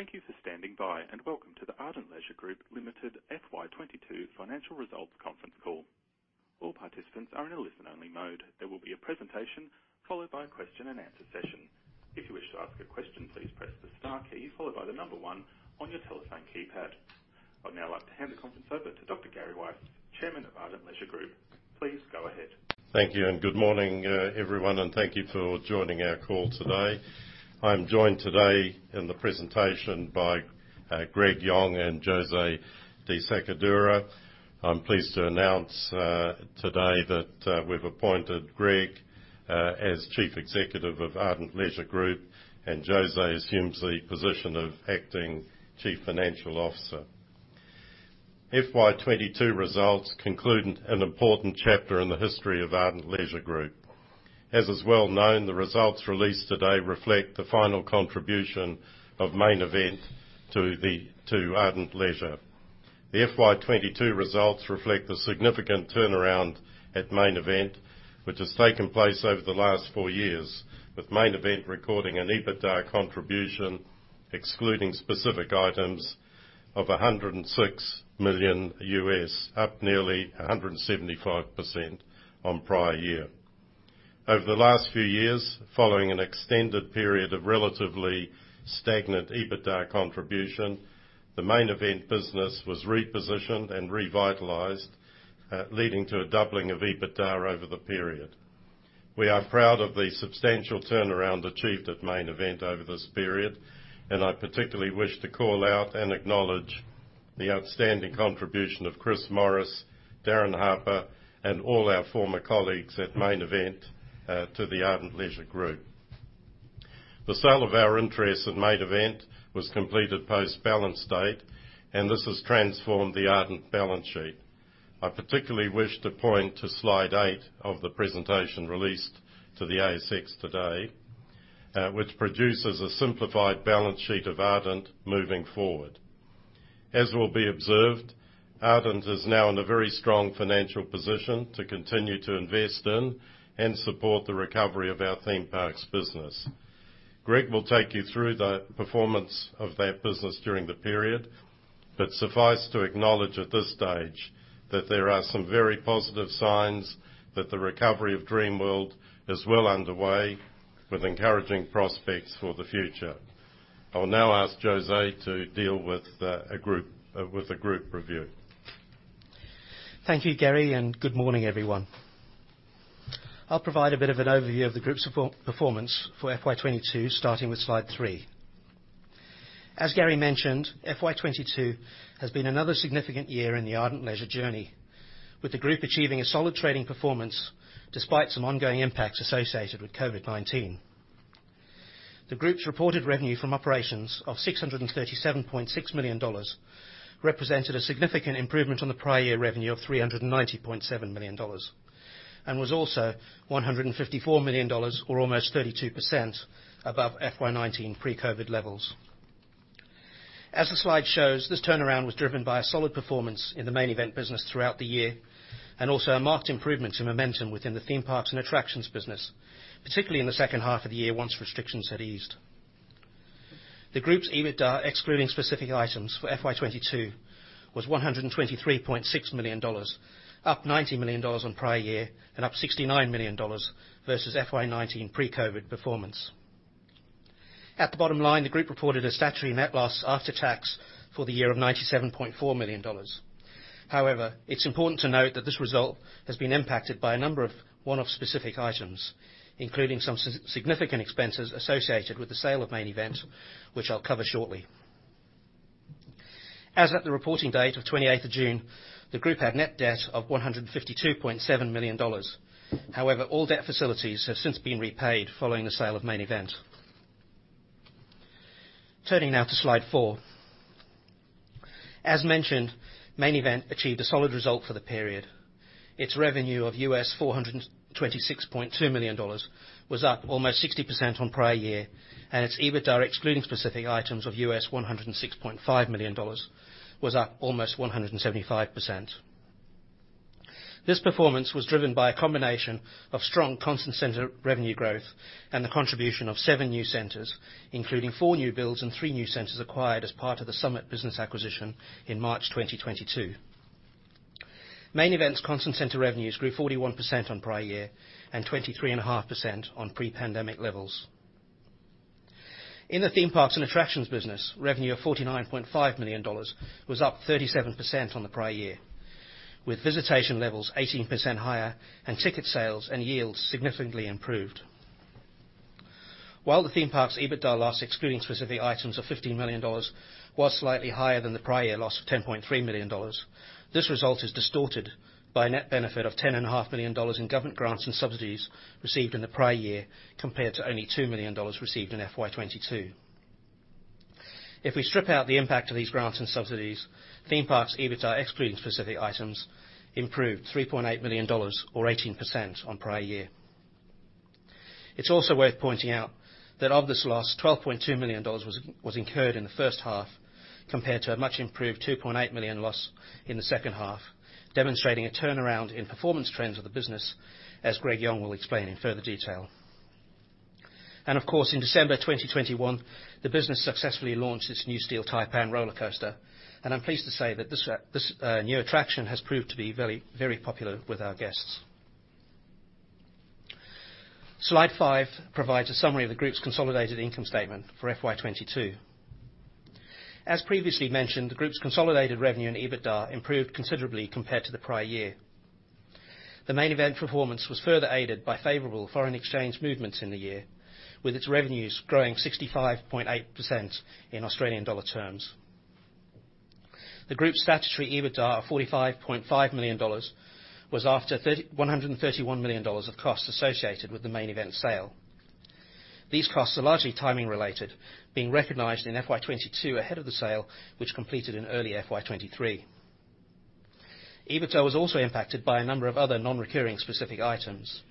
Thank you for standing by, and welcome to the Ardent Leisure Group Ltd. FY 2022 financial results conference call. All participants are in a listen-only mode. There will be a presentation followed by a question-and-answer session. If you wish to ask a question, please press the star key followed by the number one on your telephone keypad. I'd now like to hand the conference over to Dr. Gary Weiss, Chairman of Ardent Leisure Group. Please go ahead. Thank you, and good morning, everyone, and thank you for joining our call today. I'm joined today in the presentation by Greg Yong and José de Sacadura. I'm pleased to announce today that we've appointed Greg as Chief Executive of Ardent Leisure Group and José assumes the position of Acting Chief Financial Officer. FY 2022 results conclude an important chapter in the history of Ardent Leisure Group. As is well known, the results released today reflect the final contribution of Main Event to Ardent Leisure. The FY 2022 results reflect a significant turnaround at Main Event, which has taken place over the last four years, with Main Event recording an EBITDA contribution, excluding specific items, of $106 million, up nearly 175% on prior year. Over the last few years, following an extended period of relatively stagnant EBITDA contribution, the Main Event business was repositioned and revitalized, leading to a doubling of EBITDA over the period. We are proud of the substantial turnaround achieved at Main Event over this period, and I particularly wish to call out and acknowledge the outstanding contribution of Chris Morris, Darin Harper, and all our former colleagues at Main Event, to the Ardent Leisure Group. The sale of our interest at Main Event was completed post balance date, and this has transformed the Ardent balance sheet. I particularly wish to point to slide eight of the presentation released to the ASX today, which produces a simplified balance sheet of Ardent moving forward. As will be observed, Ardent is now in a very strong financial position to continue to invest in and support the recovery of our theme parks business. Greg will take you through the performance of that business during the period. Suffice to acknowledge at this stage that there are some very positive signs that the recovery of Dreamworld is well underway with encouraging prospects for the future. I will now ask José to deal with the group review. Thank you, Gary, and good morning, everyone. I'll provide a bit of an overview of the group's superb performance for FY 2022, starting with slide three. As Gary mentioned, FY 2022 has been another significant year in the Ardent Leisure journey, with the group achieving a solid trading performance despite some ongoing impacts associated with COVID-19. The group's reported revenue from operations of 637.6 million dollars represented a significant improvement on the prior year revenue of 390.7 million dollars, and was also 154 million dollars or almost 32% above FY 2019 pre-COVID levels. As the slide shows, this turnaround was driven by a solid performance in the Main Event business throughout the year, and also a marked improvement in momentum within the theme parks and attractions business, particularly in the second half of the year once restrictions had eased. The group's EBITDA, excluding specific items for FY 2022, was 123.6 million dollars, up 90 million dollars on prior year and up 69 million dollars versus FY 2019 pre-COVID performance. At the bottom line, the group reported a statutory net loss after tax for the year of 97.4 million dollars. However, it's important to note that this result has been impacted by a number of one-off specific items, including some significant expenses associated with the sale of Main Event, which I'll cover shortly. As at the reporting date of 28th of June, the group had net debt of 152.7 million dollars. However, all debt facilities have since been repaid following the sale of Main Event. Turning now to slide four. As mentioned, Main Event achieved a solid result for the period. Its revenue of $426.2 million was up almost 60% on prior year, and its EBITDA, excluding specific items of $106.5 million, was up almost 175%. This performance was driven by a combination of strong constant center revenue growth and the contribution of seven new centers, including four new builds and three new centers acquired as part of The Summit business acquisition in March 2022. Main Event's constant currency revenues grew 41% on prior year and 23.5% on pre-pandemic levels. In the theme parks and attractions business, revenue of 49.5 million dollars was up 37% on the prior year, with visitation levels 18% higher and ticket sales and yields significantly improved. While the theme park's EBITDA loss, excluding specific items of AUD 15 million, was slightly higher than the prior year loss of AUD 10.3 million, this result is distorted by a net benefit of AUD 10.5 million in government grants and subsidies received in the prior year, compared to only AUD 2 million received in FY 2022. If we strip out the impact of these grants and subsidies, theme parks EBITDA excluding specific items improved 3.8 million dollars or 18% on prior year. It's also worth pointing out that of this loss, 12.2 million dollars was incurred in the first half compared to a much improved 2.8 million loss in the second half, demonstrating a turnaround in performance trends of the business as Greg Yong will explain in further detail. Of course, in December 2021, the business successfully launched its new Steel Taipan roller coaster. I'm pleased to say that this new attraction has proved to be very, very popular with our guests. Slide five provides a summary of the group's consolidated income statement for FY 2022. As previously mentioned, the group's consolidated revenue and EBITDA improved considerably compared to the prior year. The Main Event performance was further aided by favorable foreign exchange movements in the year, with its revenues growing 65.8% in Australian dollar terms. The group's statutory EBITDA of AUD 45.5 million was after AUD 131 million of costs associated with the Main Event sale. These costs are largely timing related, being recognized in FY 2022 ahead of the sale, which completed in early FY 2023. EBITDA was also impacted by a number of other non-recurring specific items.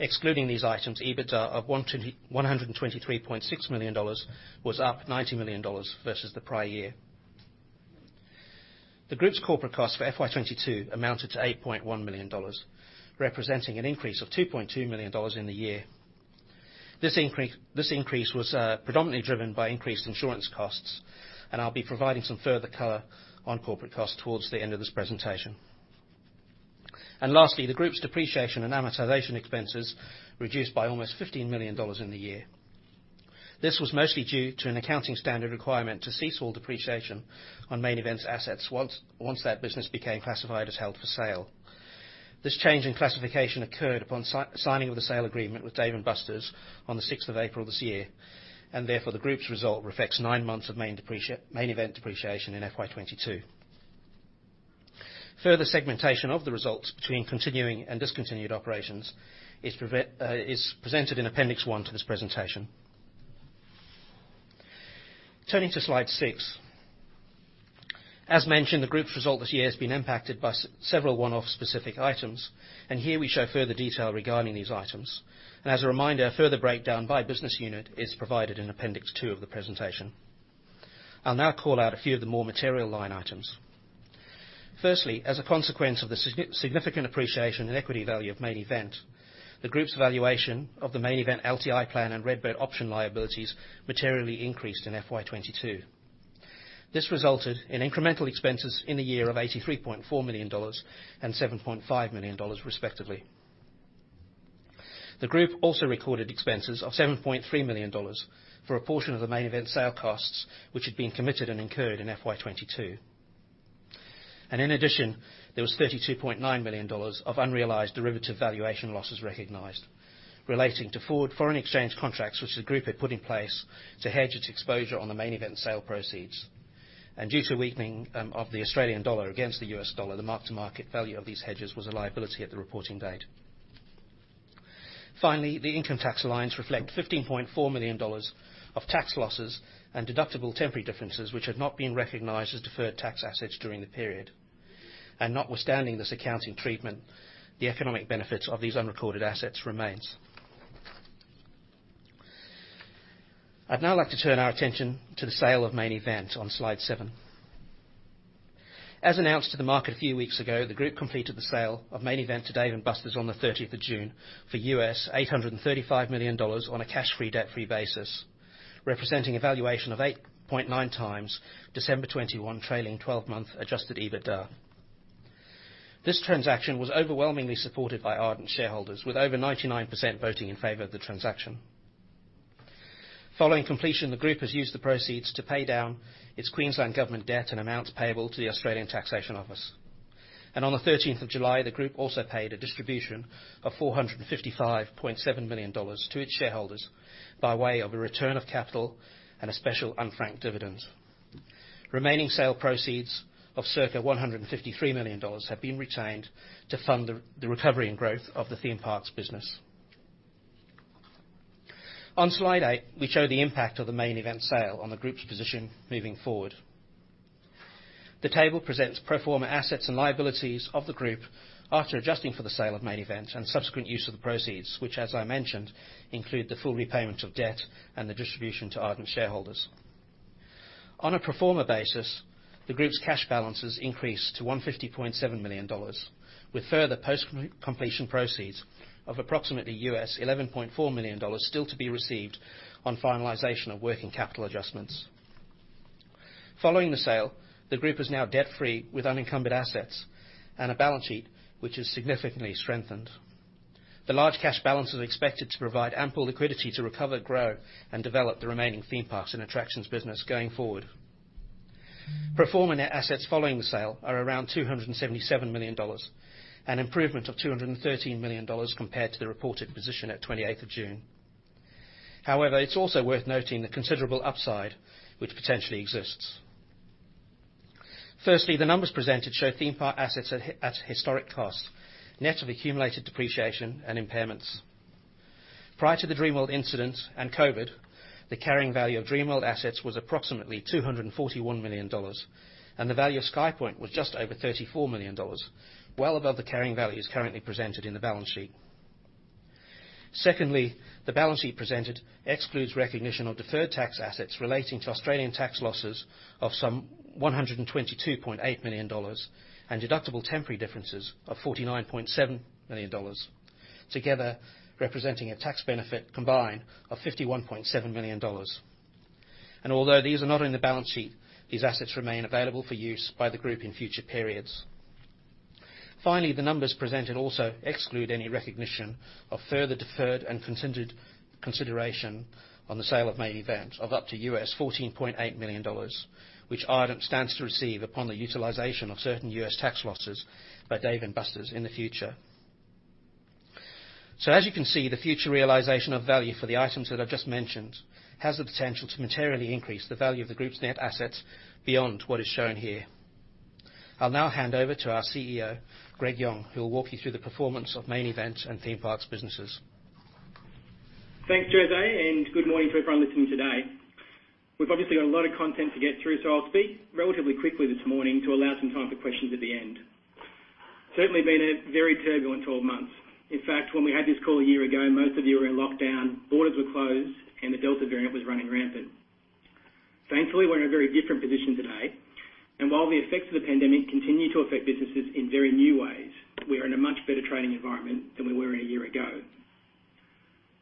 Excluding these items, EBITDA of 123.6 million dollars was up 90 million dollars versus the prior year. The group's corporate costs for FY 2022 amounted to 8.1 million dollars, representing an increase of 2.2 million dollars in the year. This increase was predominantly driven by increased insurance costs, and I'll be providing some further color on corporate costs towards the end of this presentation. Lastly, the group's depreciation and amortization expenses reduced by almost 15 million dollars in the year. This was mostly due to an accounting standard requirement to cease all depreciation on Main Event's assets once that business became classified as held for sale. This change in classification occurred upon signing of the sale agreement with Dave & Buster's on the 6th of April this year, and therefore the group's result reflects nine months of Main Event depreciation in FY 2022. Further segmentation of the results between continuing and discontinued operations is presented in Appendix 1 to this presentation. Turning to slide six. As mentioned, the group's result this year has been impacted by several one-off specific items, and here we show further detail regarding these items. As a reminder, a further breakdown by business unit is provided in Appendix 2 of the presentation. I'll now call out a few of the more material line items. Firstly, as a consequence of the significant appreciation in equity value of Main Event, the group's valuation of the Main Event LTI plan and RedBird option liabilities materially increased in FY 2022. This resulted in incremental expenses in the year of $83.4 million and $7.5 million, respectively. The group also recorded expenses of $7.3 million for a portion of the Main Event sale costs, which had been committed and incurred in FY 2022. In addition, there was $32.9 million of unrealized derivative valuation losses recognized relating to forward foreign exchange contracts, which the group had put in place to hedge its exposure on the Main Event sale proceeds. Due to weakening of the Australian dollar against the US dollar, the mark-to-market value of these hedges was a liability at the reporting date. Finally, the income tax allowance reflects 15.4 million dollars of tax losses and deductible temporary differences, which had not been recognized as deferred tax assets during the period. Notwithstanding this accounting treatment, the economic benefits of these unrecorded assets remains. I'd now like to turn our attention to the sale of Main Event on slide seven. As announced to the market a few weeks ago, the group completed the sale of Main Event to Dave & Buster's on the 13th of June for $835 million on a cash-free, debt-free basis, representing a valuation of 8.9x December 2021 trailing 12-month adjusted EBITDA. This transaction was overwhelmingly supported by Ardent shareholders with over 99% voting in favor of the transaction. Following completion, the group has used the proceeds to pay down its Queensland Government debt and amounts payable to the Australian Taxation Office. On the 13th of July, the group also paid a distribution of 455.7 million dollars to its shareholders by way of a return of capital and a special unfranked dividend. Remaining sale proceeds of circa 153 million dollars have been retained to fund the recovery and growth of the theme parks business. On slide eight, we show the impact of the Main Event sale on the group's position moving forward. The table presents pro forma assets and liabilities of the group after adjusting for the sale of Main Event and subsequent use of the proceeds, which as I mentioned, include the full repayment of debt and the distribution to Ardent shareholders. On a pro forma basis, the group's cash balances increased to 150.7 million dollars, with further post-completion proceeds of approximately $11.4 million still to be received on finalization of working capital adjustments. Following the sale, the group is now debt-free with unencumbered assets and a balance sheet, which has significantly strengthened. The large cash balance is expected to provide ample liquidity to recover, grow, and develop the remaining theme parks and attractions business going forward. Pro forma net assets following the sale are around 277 million dollars, an improvement of 213 million dollars compared to the reported position at 28th of June. However, it's also worth noting the considerable upside which potentially exists. Firstly, the numbers presented show theme park assets at historic cost, net of accumulated depreciation and impairments. Prior to the Dreamworld incident and COVID, the carrying value of Dreamworld assets was approximately 241 million dollars, and the value of SkyPoint was just over 34 million dollars, well above the carrying values currently presented in the balance sheet. Secondly, the balance sheet presented excludes recognition of deferred tax assets relating to Australian tax losses of some 122.8 million dollars and deductible temporary differences of 49.7 million dollars, together representing a tax benefit combined of 51.7 million dollars. Although these are not in the balance sheet, these assets remain available for use by the group in future periods. Finally, the numbers presented also exclude any recognition of further deferred and considered consideration on the sale of Main Event of up to $14.8 million, which Ardent stands to receive upon the utilization of certain U.S. tax losses by Dave & Buster's in the future. As you can see, the future realization of value for the items that I've just mentioned has the potential to materially increase the value of the group's net assets beyond what is shown here. I'll now hand over to our CEO, Greg Yong, who will walk you through the performance of Main Event and Theme Parks businesses. Thanks, José, and good morning to everyone listening today. We've obviously got a lot of content to get through, so I'll speak relatively quickly this morning to allow some time for questions at the end. Certainly been a very turbulent 12 months. In fact, when we had this call a year ago, most of you were in lockdown, borders were closed, and the Delta variant was running rampant. Thankfully, we're in a very different position today, and while the effects of the pandemic continue to affect businesses in very new ways, we are in a much better trading environment than we were in a year ago.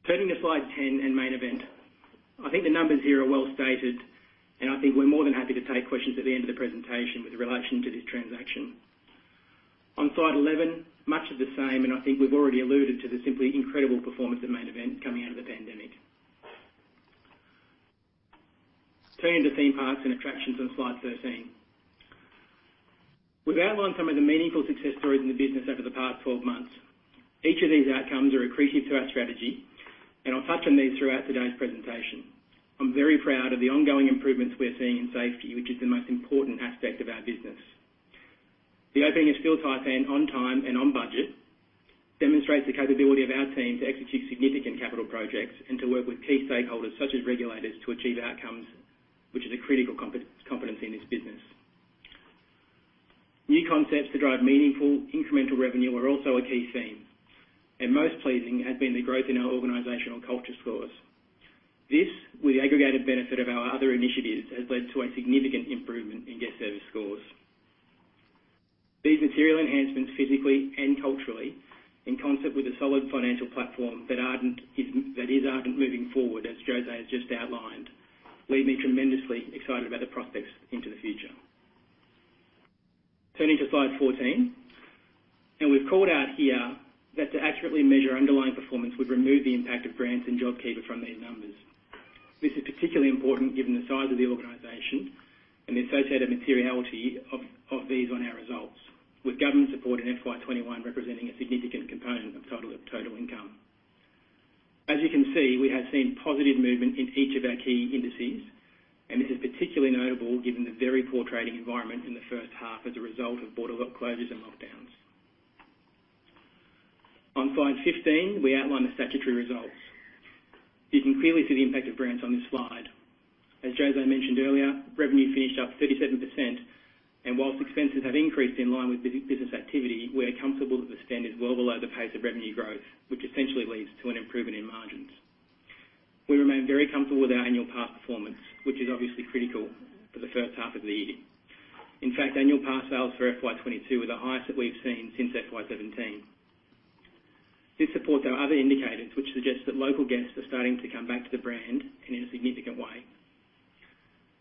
Turning to slide 10 and Main Event. I think the numbers here are well stated, and I think we're more than happy to take questions at the end of the presentation with relation to this transaction. On slide 11, much of the same, and I think we've already alluded to the simply incredible performance of Main Event coming out of the pandemic. Turning to Theme Parks and Attractions on slide 13. We've outlined some of the meaningful success stories in the business over the past 12 months. Each of these outcomes are accretive to our strategy, and I'll touch on these throughout today's presentation. I'm very proud of the ongoing improvements we're seeing in safety, which is the most important aspect of our business. The opening of Steel Taipan on time and on budget demonstrates the capability of our team to execute significant capital projects and to work with key stakeholders such as regulators to achieve outcomes, which is a critical competency in this business. New concepts to drive meaningful incremental revenue are also a key theme, and most pleasing has been the growth in our organizational culture scores. This, with the aggregated benefit of our other initiatives, has led to a significant improvement in guest service scores. These material enhancements, physically and culturally, in concept with a solid financial platform that is Ardent moving forward, as José has just outlined, leave me tremendously excited about the prospects into the future. Turning to slide 14. We've called out here that to accurately measure underlying performance, we've removed the impact of grants and JobKeeper from these numbers. This is particularly important given the size of the organization and the associated materiality of these on our results, with government support in FY 2021 representing a significant component of total income. As you can see, we have seen positive movement in each of our key indices, and this is particularly notable given the very poor trading environment in the first half as a result of border closures and lockdowns. On slide 15, we outline the statutory results. You can clearly see the impact of grants on this slide. As José mentioned earlier, revenue finished up 37%, and whilst expenses have increased in line with business activity, we are comfortable that the spend is well below the pace of revenue growth, which essentially leads to an improvement in margins. We remain very comfortable with our annual pass performance, which is obviously critical for the first half of the year. In fact, annual pass sales for FY 2022 were the highest that we've seen since FY 2017. This supports our other indicators, which suggest that local guests are starting to come back to the brand and in a significant way.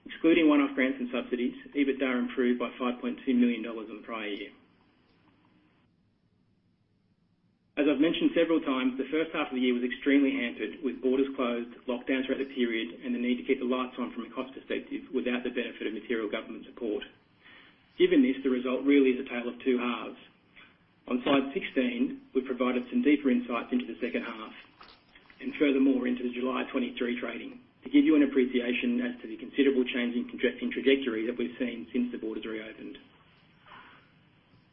Excluding one-off grants and subsidies, EBITDA improved by 5.2 million dollars on the prior year. As I've mentioned several times, the first half of the year was extremely hampered with borders closed, lockdowns throughout the period, and the need to keep the lights on from a cost perspective without the benefit of material government support. Given this, the result really is a tale of two halves. On slide 16, we've provided some deeper insights into the second half and furthermore into the July 2023 trading to give you an appreciation as to the considerable change in trajectory that we've seen since the borders reopened.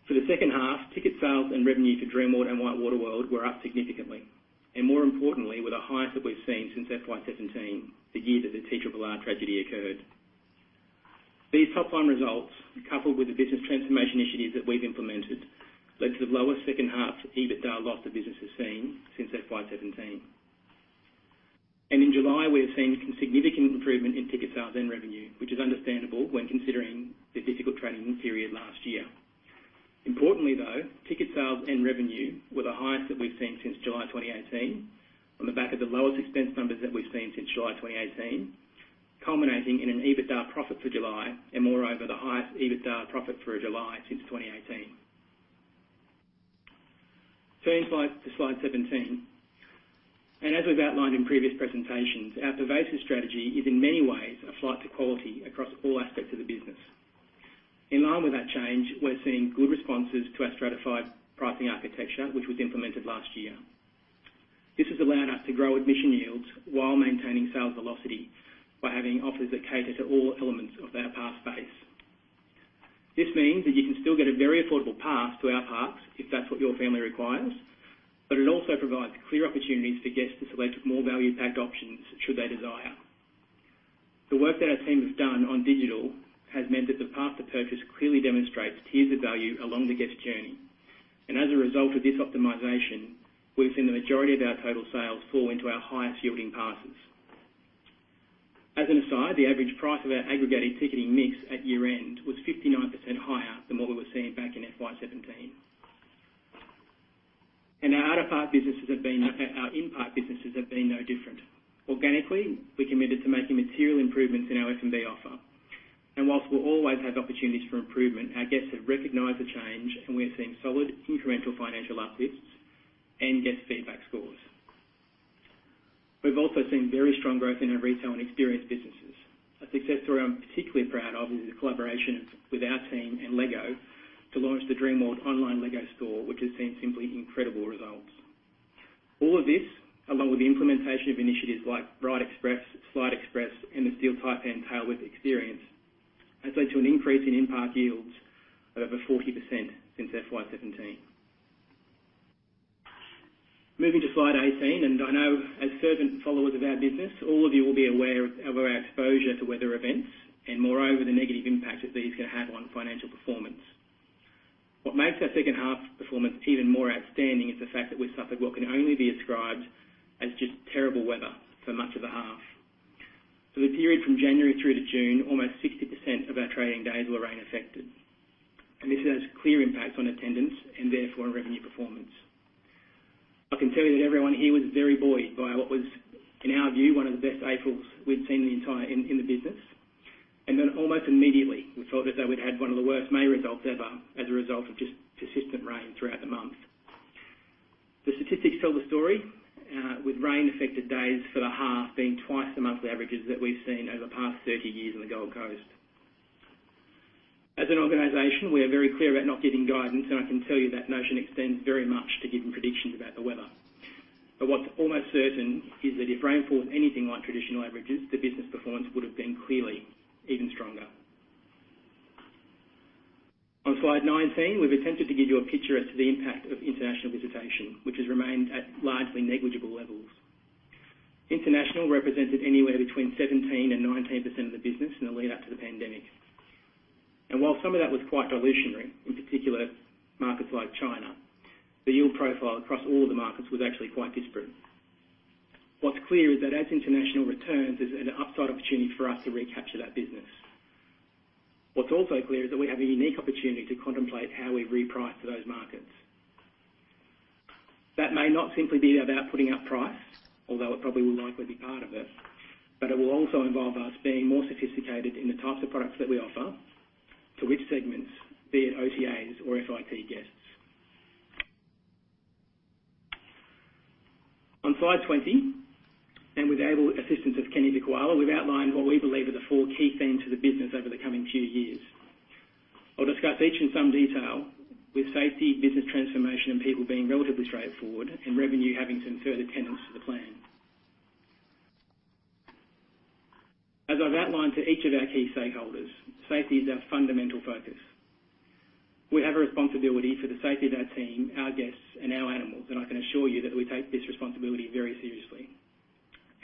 For the second half, ticket sales and revenue to Dreamworld and WhiteWater World were up significantly, and more importantly were the highest that we've seen since FY 2017, the year that the TRRR tragedy occurred. These top-line results, coupled with the business transformation initiatives that we've implemented, led to the lowest second half EBITDA loss the business has seen since FY 2017. In July, we've seen significant improvement in ticket sales and revenue, which is understandable when considering the difficult trading period last year. Importantly, though, ticket sales and revenue were the highest that we've seen since July 2018 on the back of the lowest expense numbers that we've seen since July 2018, culminating in an EBITDA profit for July and moreover, the highest EBITDA profit for a July since 2018. Turning to slide 17. As we've outlined in previous presentations, our pervasive strategy is in many ways a flight to quality across all aspects of the business. In line with that change, we're seeing good responses to our stratified pricing architecture, which was implemented last year. This has allowed us to grow admission yields while maintaining sales velocity by having offers that cater to all elements of our pass base. This means that you can still get a very affordable pass to our parks if that's what your family requires, but it also provides clear opportunities for guests to select more value-packed options should they desire. The work that our team has done on digital has meant that the path to purchase clearly demonstrates tiers of value along the guest journey. As a result of this optimization, we've seen the majority of our total sales fall into our highest yielding passes. As an aside, the average price of our aggregated ticketing mix at year-end was 59% higher than what we were seeing back in FY 2017. Our in-park businesses have been no different. Organically, we're committed to making material improvements in our F&B offer. While we'll always have opportunities for improvement, our guests have recognized the change, and we are seeing solid incremental financial uplifts and guest feedback scores. We've also seen very strong growth in our retail and experience businesses. A success story I'm particularly proud of is the collaboration with our team and LEGO to launch the Dreamworld online LEGO store, which has seen simply incredible results. All of this, along with the implementation of initiatives like Ride Express, Slide Express, and the Steel Taipan Tailwhip experience, has led to an increase in in-park yields of over 40% since FY 2017. Moving to slide 18. I know as fervent followers of our business, all of you will be aware of our exposure to weather events and moreover, the negative impact that these can have on financial performance. What makes our second half performance even more outstanding is the fact that we suffered what can only be described as just terrible weather for much of the half. For the period from January through to June, almost 60% of our trading days were rain affected, and this has clear impact on attendance and therefore revenue performance. I can tell you that everyone here was very buoyed by what was, in our view, one of the best Aprils we'd seen in the entire business. Then almost immediately, we felt as though we'd had one of the worst May results ever as a result of just persistent rain throughout the month. The statistics tell the story, with rain-affected days for the half being twice the monthly averages that we've seen over the past 30 years on the Gold Coast. As an organization, we are very clear about not giving guidance, and I can tell you that notion extends very much to giving predictions about the weather. What's almost certain is that if rain falls anything like traditional averages, the business performance would have been clearly even stronger. On slide 19, we've attempted to give you a picture as to the impact of international visitation, which has remained at largely negligible levels. International represented anywhere between 17% and 19% of the business in the lead up to the pandemic. While some of that was quite dilutionary, in particular markets like China, the yield profile across all of the markets was actually quite disparate. What's clear is that as international returns, there's an upside opportunity for us to recapture that business. What's also clear is that we have a unique opportunity to contemplate how we reprice those markets. That may not simply be about putting up price, although it probably will likely be part of it, but it will also involve us being more sophisticated in the types of products that we offer to which segments, be it OTAs or FIT guests. On slide 20, and with the able assistance of Kenny the Koala, we've outlined what we believe are the four key themes for the business over the coming few years. I'll discuss each in some detail with safety, business transformation, and people being relatively straightforward and revenue having some further tenets to the plan. As I've outlined to each of our key stakeholders, safety is our fundamental focus. We have a responsibility for the safety of our team, our guests, and our animals, and I can assure you that we take this responsibility very seriously.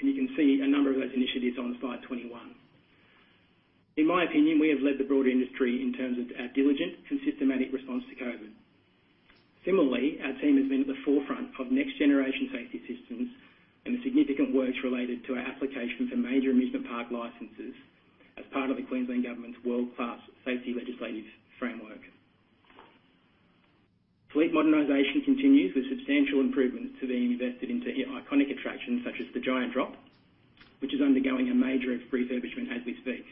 You can see a number of those initiatives on slide 21. In my opinion, we have led the broader industry in terms of our diligent and systematic response to COVID. Similarly, our team has been at the forefront of next-generation safety systems and the significant works related to our application for major amusement park licenses as part of the Queensland Government's world-class safety legislative framework. Fleet modernization continues with substantial improvements are being invested into iconic attractions such as the Giant Drop, which is undergoing a major refurbishment as we speak.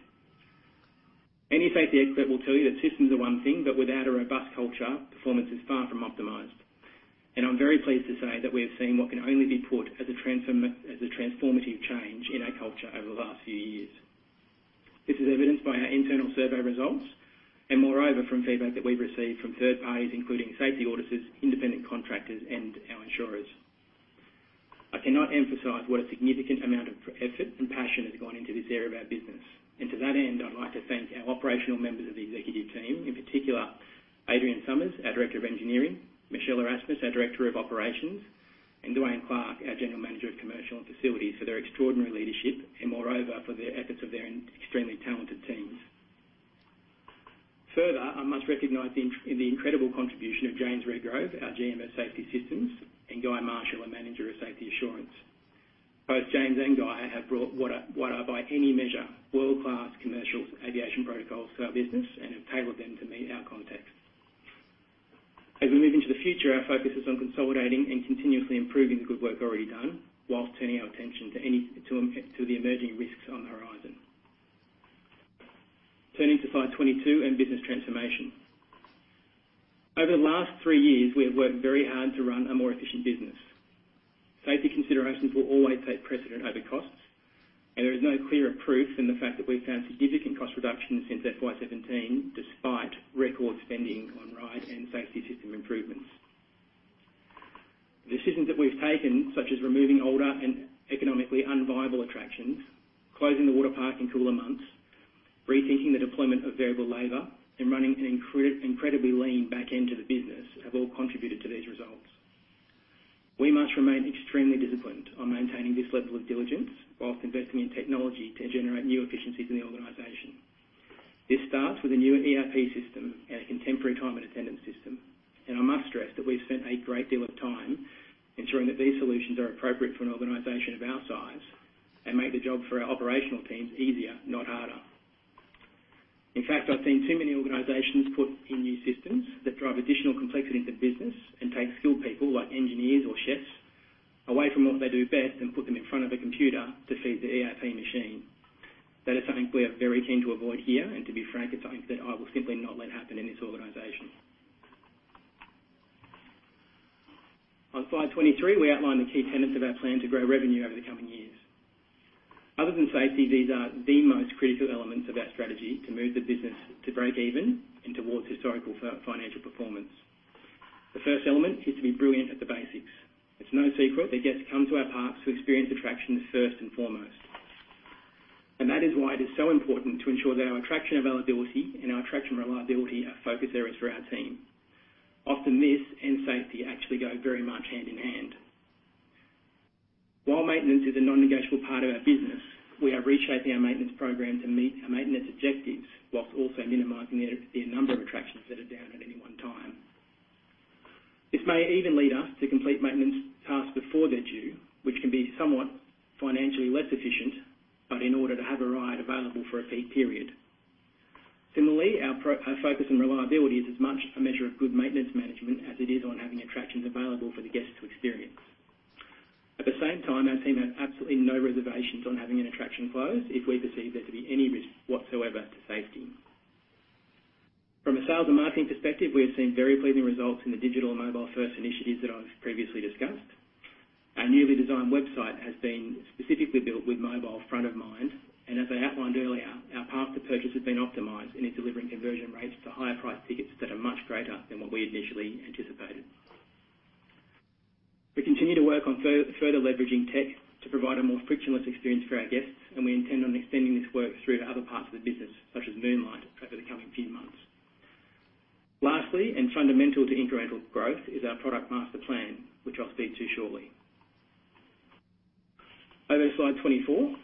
Any safety expert will tell you that systems are one thing, but without a robust culture, performance is far from optimized. I'm very pleased to say that we have seen what can only be put as a transformative change in our culture over the last few years. This is evidenced by our internal survey results and moreover, from feedback that we've received from third parties, including safety auditors, independent contractors, and our insurers. I cannot emphasize what a significant amount of effort and passion has gone into this area of our business. To that end, I'd like to thank our operational members of the Executive Team, in particular, Adrian Summers, our Director of Engineering, Michelle Erasmus, our Director of Operations, and Dwayne Clark, our General Manager of Commercial and Facilities, for their extraordinary leadership and moreover, for the efforts of their extremely talented teams. Further, I must recognize the incredible contribution of James Redgrove, our GM of Safety Systems, and Guy Marshall and Manager of Safety Assurance. Both James and Guy have brought what are by any measure, world-class commercial aviation protocols to our business and have tailored them to meet our context. As we move into the future, our focus is on consolidating and continuously improving the good work already done while turning our attention to the emerging risks on the horizon. Turning to slide 22 and business transformation. Over the last three years, we have worked very hard to run a more efficient business. Safety considerations will always take precedence over costs, and there is no clearer proof than the fact that we've found significant cost reductions since FY 2017 despite record spending on rides and safety system improvements. The decisions that we've taken, such as removing older and economically unviable attractions, closing the water park in cooler months, rethinking the deployment of variable labor and running an incredibly lean back end to the business have all contributed to these results. We must remain extremely disciplined on maintaining this level of diligence while investing in technology to generate new efficiencies in the organization. This starts with a new ERP system and a contemporary time and attendance system. I must stress that we've spent a great deal of time ensuring that these solutions are appropriate for an organization of our size and make the job for our operational teams easier, not harder. In fact, I've seen too many organizations put in new systems that drive additional complexity into business and take skilled people, like engineers or chefs, away from what they do best and put them in front of a computer to feed the ERP machine. That is something we are very keen to avoid here, and to be frank, it's something that I will simply not let happen in this organization. On slide 23, we outline the key tenets of our plan to grow revenue over the coming years. Other than safety, these are the most critical elements of our strategy to move the business to break even and towards historical financial performance. The first element is to be brilliant at the basics. It's no secret that guests come to our parks to experience attractions first and foremost. That is why it is so important to ensure that our attraction availability and our attraction reliability are focus areas for our team. Often this and safety actually go very much hand in hand. While maintenance is a non-negotiable part of our business, we are reshaping our maintenance program to meet our maintenance objectives while also minimizing the number of attractions that are down at any one time. This may even lead us to complete maintenance tasks before they're due, which can be somewhat financially less efficient, but in order to have a ride available for a peak period. Our focus on reliability is as much a measure of good maintenance management as it is on having attractions available for the guests to experience. At the same time, our team have absolutely no reservations on having an attraction closed if we perceive there to be any risk whatsoever to safety. From a sales and marketing perspective, we have seen very pleasing results in the digital mobile-first initiatives that I've previously discussed. Our newly designed website has been specifically built with mobile front of mind, and as I outlined earlier, our path to purchase has been optimized, and it's delivering conversion rates for higher priced tickets that are much greater than what we initially anticipated. We continue to work on further leveraging tech to provide a more frictionless experience for our guests, and we intend on extending this work through to other parts of the business, such as Moonlight, over the coming few months. Lastly, and fundamental to incremental growth, is our product master plan, which I'll speak to shortly. Over to slide 24.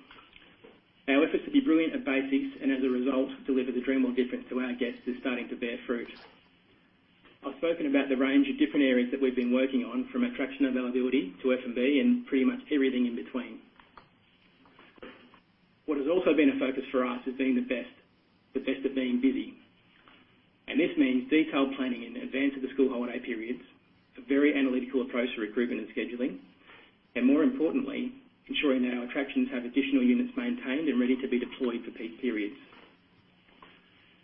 Our efforts to be brilliant at basics, and as a result, deliver the Dreamworld difference to our guests, is starting to bear fruit. I've spoken about the range of different areas that we've been working on from attraction availability to F&B and pretty much everything in between. What has also been a focus for us is being the best at being busy. This means detailed planning in advance of the school holiday periods, a very analytical approach to recruitment and scheduling, and more importantly, ensuring our attractions have additional units maintained and ready to be deployed for peak periods.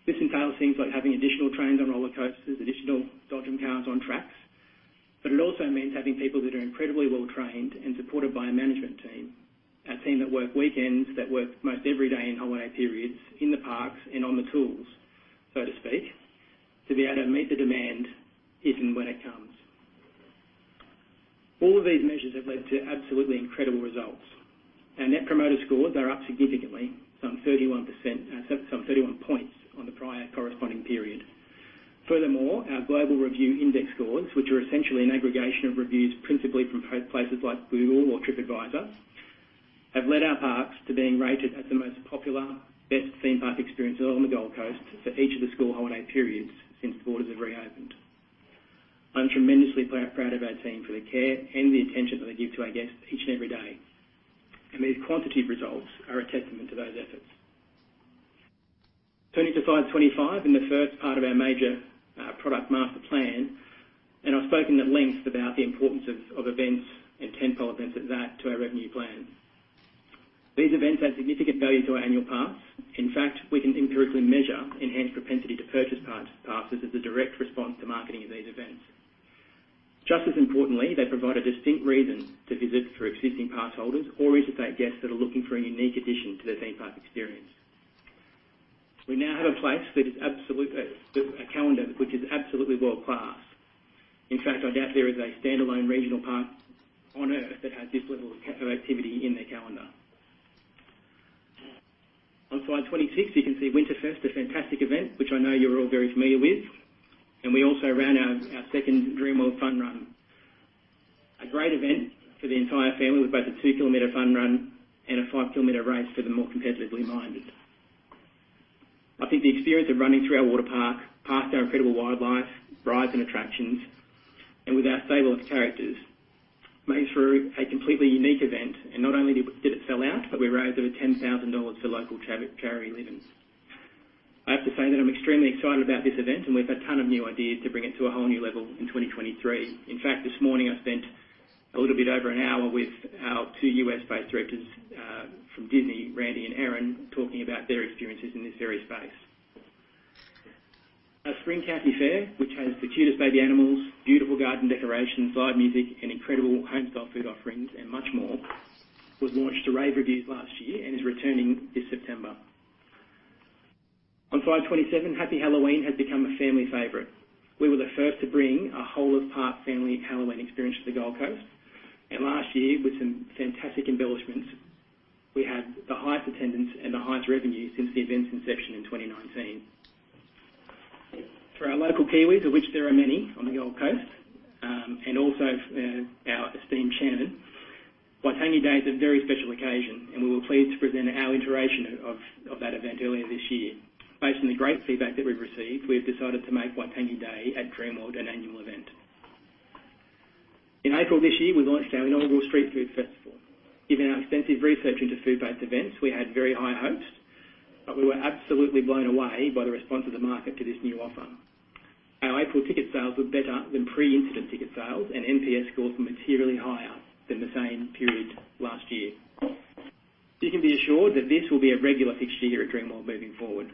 This entails things like having additional trains on roller coasters, additional dodgem cars on tracks, but it also means having people that are incredibly well trained and supported by a management team, a team that work weekends, that work most every day in holiday periods in the parks and on the tools, so to speak, to be able to meet the demand if and when it comes. All of these measures have led to absolutely incredible results. Our net promoter scores are up significantly, some 31%, some 31 points on the prior corresponding period. Furthermore, our Global Review Index scores, which are essentially an aggregation of reviews principally from places like Google or Tripadvisor, have led our parks to being rated as the most popular best theme park experience on the Gold Coast for each of the school holiday periods since borders have reopened. I'm tremendously proud of our team for the care and the attention that they give to our guests each and every day, and these quantitative results are a testament to those efforts. Turning to slide 25, and the first part of our major product master plan. I've spoken at length about the importance of events and tentpole events at that to our revenue plan. These events add significant value to our annual pass. In fact, we can empirically measure enhanced propensity to purchase passes as a direct response to marketing of these events. Just as importantly, they provide a distinct reason to visit for existing pass holders or interstate guests that are looking for a unique addition to their theme park experience. We now have a calendar which is absolutely world-class. In fact, I doubt there is a standalone regional park on Earth that has this level of activity in their calendar. On slide 26, you can see Winterfest, a fantastic event which I know you're all very familiar with. We also ran our second Dreamworld Fun Run. A great event for the entire family, with both a 2 km fun run and a 5 km race for the more competitively minded. I think the experience of running through our water park, past our incredible wildlife, rides, and attractions, and with our favorite characters, makes for a completely unique event. Not only did it sell out, but we raised over 10,000 dollars for local. [inaudible] I have to say that I'm extremely excited about this event, and we've a ton of new ideas to bring it to a whole new level in 2023. In fact, this morning I spent a little bit over an hour with our two US-based directors from Disney, Randy and Erin, talking about their experiences in this very space. Our Dreamworld Country Fair, which has the cutest baby animals, beautiful garden decorations, live music, and incredible home-style food offerings, and much more, was launched to rave reviews last year and is returning this September. On slide 27, Happy Halloween has become a family favorite. We were the first to bring a whole of park family Halloween experience to the Gold Coast. Last year, with some fantastic embellishments, we had the highest attendance and the highest revenue since the event's inception in 2019. For our local Kiwis, of which there are many on the Gold Coast, our esteemed chairman, Waitangi Day is a very special occasion, and we were pleased to present our iteration of that event earlier this year. Based on the great feedback that we've received, we have decided to make Waitangi Day at Dreamworld an annual event. In April this year, we launched our inaugural Street Food Festival. Given our extensive research into food-based events, we had very high hopes, but we were absolutely blown away by the response of the market to this new offer. Our April ticket sales were better than pre-incident ticket sales, and NPS scores were materially higher than the same period last year. You can be assured that this will be a regular fixture here at Dreamworld moving forward.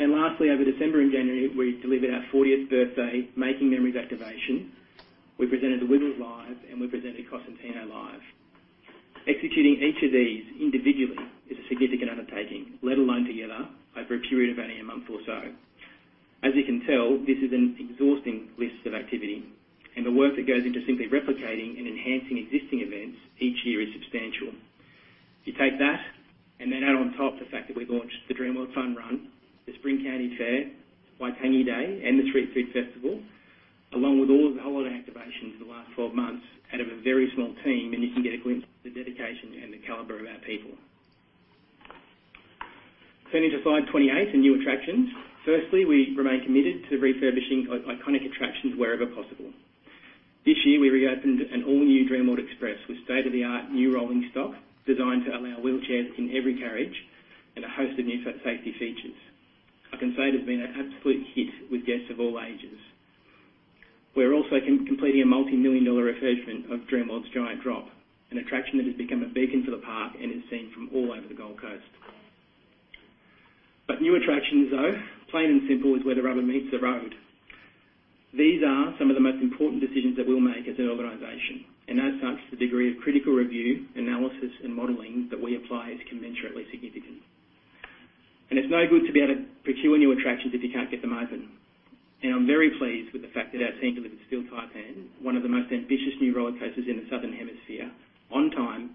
Lastly, over December and January, we delivered our 40th birthday Making Memories activation. We presented The Wiggles Live, and we presented Cosentino Live. Executing each of these individually is a significant undertaking, let alone together over a period of only a month or so. As you can tell, this is an exhausting list of activity, and the work that goes into simply replicating and enhancing existing events each year is substantial. You take that and then add on top the fact that we launched the Dreamworld Fun Run, the Dreamworld Country Fair, Waitangi Day, and the Street Food Festival, along with all of the holiday activations in the last 12 months out of a very small team, and you can get a glimpse of the dedication and the caliber of our people. Turning to slide 28 in new attractions. Firstly, we remain committed to refurbishing iconic attractions wherever possible. This year we reopened an all-new Dreamworld Express with state-of-the-art new rolling stock designed to allow wheelchairs in every carriage and a host of new safety features. I can say it has been an absolute hit with guests of all ages. We're also completing a multi-million dollar refurbishment of Dreamworld's Giant Drop, an attraction that has become a beacon for the park and is seen from all over the Gold Coast. New attractions, though, plain and simple, is where the rubber meets the road. These are some of the most important decisions that we'll make as an organization, and as such, the degree of critical review, analysis, and modeling that we apply is commensurately significant. It's no good to be able to procure new attractions if you can't get them open. I'm very pleased with the fact that our team delivered Steel Taipan, one of the most ambitious new roller coasters in the Southern Hemisphere, on time,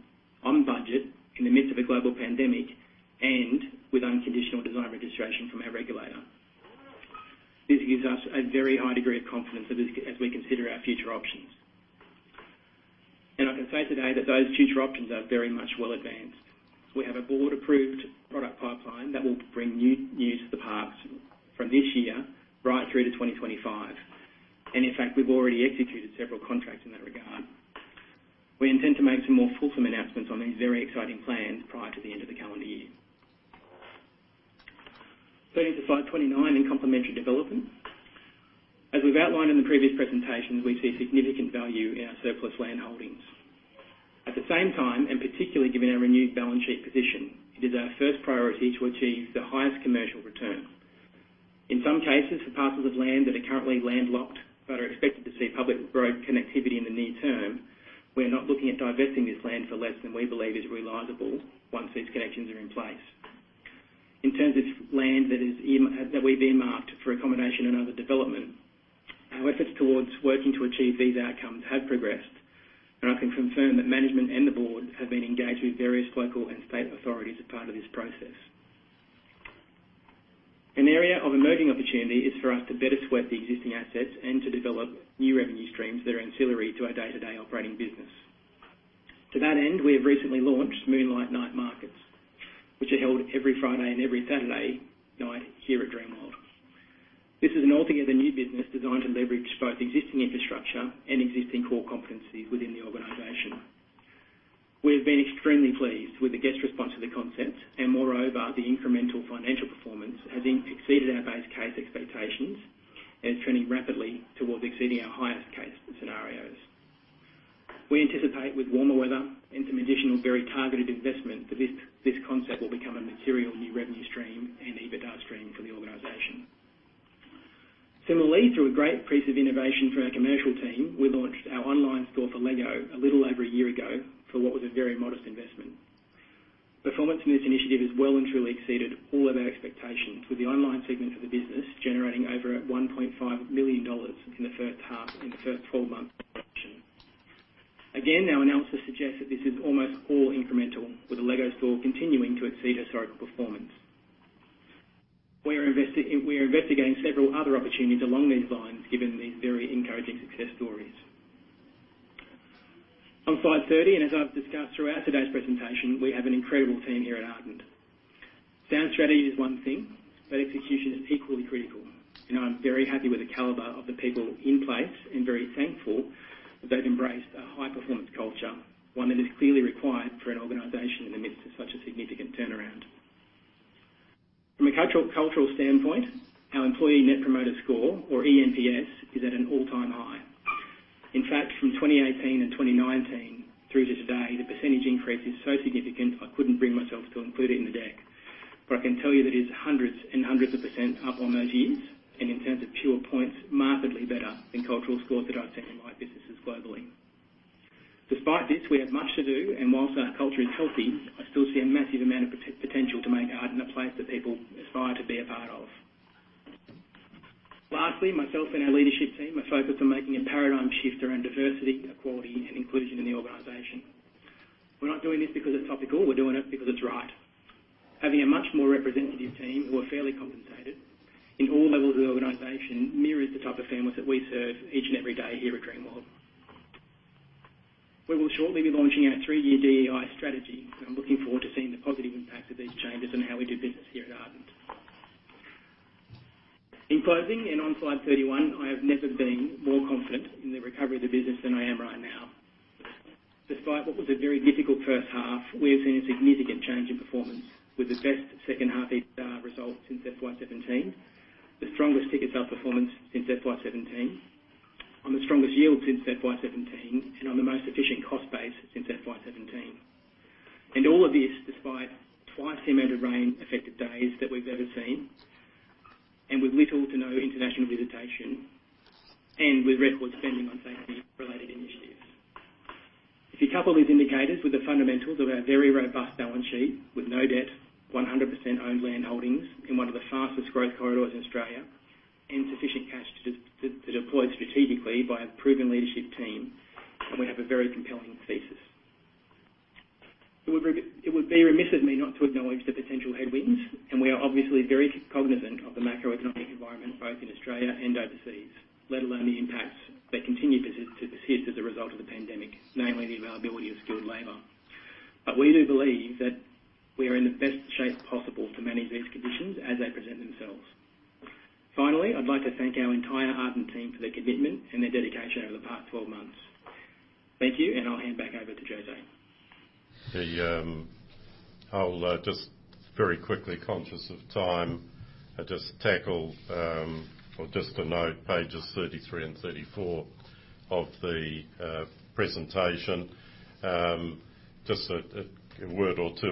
on budget, in the midst of a global pandemic and with unconditional design registration from our regulator. This gives us a very high degree of confidence as we consider our future options. I can say today that those future options are very much well advanced. We have a board-approved product pipeline that will bring new to the parks from this year right through to 2025. In fact, we've already executed several contracts in that regard. We intend to make some more fulsome announcements on these very exciting plans prior to the end of the calendar year. Turning to slide 29 in complementary development. As we've outlined in the previous presentations, we see significant value in our surplus land holdings. At the same time, and particularly given our renewed balance sheet position, it is our first priority to achieve the highest commercial return. In some cases, for parcels of land that are currently landlocked but are expected to see public road connectivity in the near term, we're not looking at divesting this land for less than we believe is realizable once these connections are in place. In terms of land that we've earmarked for accommodation and other development, our efforts towards working to achieve these outcomes have progressed, and I can confirm that management and the board have been engaged with various local and state authorities as part of this process. An area of emerging opportunity is for us to better sweat the existing assets and to develop new revenue streams that are ancillary to our day-to-day operating business. To that end, we have recently launched Dreamworld Night Market, which is held every Friday and every Saturday night here at Dreamworld. This is an altogether new business designed to leverage both existing infrastructure and existing core competencies within the organization. We have been extremely pleased with the guest response to the concept and, moreover, the incremental financial performance has exceeded our base case expectations and is trending rapidly towards exceeding our highest case scenarios. We anticipate with warmer weather and some additional very targeted investment that this concept will become a material new revenue stream and EBITDA stream for the organization. Similarly, through a great piece of innovation through our commercial team, we launched our online store for LEGO a little over a year ago for what was a very modest investment. Performance in this initiative has well and truly exceeded all of our expectations, with the online segment of the business generating over 1.5 million dollars in the first 12 months of operation. Again, our analysis suggests that this is almost all incremental, with the LEGO store continuing to exceed historical performance. We're investigating several other opportunities along these lines given these very encouraging success stories. On slide 30, and as I've discussed throughout today's presentation, we have an incredible team here at Ardent. Sound strategy is one thing, but execution is equally critical, and I'm very happy with the caliber of the people in place and very thankful that they've embraced a high-performance culture, one that is clearly required for an organization in the midst of such a significant turnaround. From a cultural standpoint, our employee net promoter score, or eNPS, is at an all-time high. In fact, from 2018 and 2019 through to today, the percentage increase is so significant I couldn't bring myself to include it in the deck. I can tell you that it's hundreds and hundreds of percent up on those years and in terms of pure points, markedly better than cultural scores that I've seen in my businesses globally. Despite this, we have much to do, and while our culture is healthy, I still see a massive amount of potential to make Ardent a place that people aspire to be a part of. Lastly, myself and our Leadership Team are focused on making a paradigm shift around diversity, equality, and inclusion in the organization. We're not doing this because it's topical. We're doing it because it's right. Having a much more representative team who are fairly compensated in all levels of the organization mirrors the type of families that we serve each and every day here at Dreamworld. We will shortly be launching our three-year DEI strategy, and I'm looking forward to seeing the positive impact of these changes on how we do business here at Ardent. In closing, on slide 31, I have never been more confident in the recovery of the business than I am right now. Despite what was a very difficult first half, we have seen a significant change in performance with the best second half result since FY 2017. The strongest ticket sale performance since FY 2017. On the strongest yield since FY 2017, and on the most efficient cost base since FY 2017. All of this despite twice the amount of rain-affected days that we've ever seen, and with little to no international visitation, and with record spending on safety related initiatives. If you couple these indicators with the fundamentals of our very robust balance sheet with no debt, 100% owned land holdings in one of the fastest growth corridors in Australia, and sufficient cash to deploy strategically by a proven leadership team, and we have a very compelling thesis. It would be remiss of me not to acknowledge the potential headwinds, and we are obviously very cognizant of the macroeconomic environment both in Australia and overseas, let alone the impacts that continue to persist as a result of the pandemic, namely the availability of skilled labor. We do believe that we are in the best shape possible to manage these conditions as they present themselves. Finally, I'd like to thank our entire Ardent team for their commitment and their dedication over the past 12 months. Thank you, and I'll hand back over to José. I'll just very quickly, conscious of time, just note pages 33 and 34 of the presentation. Just a word or two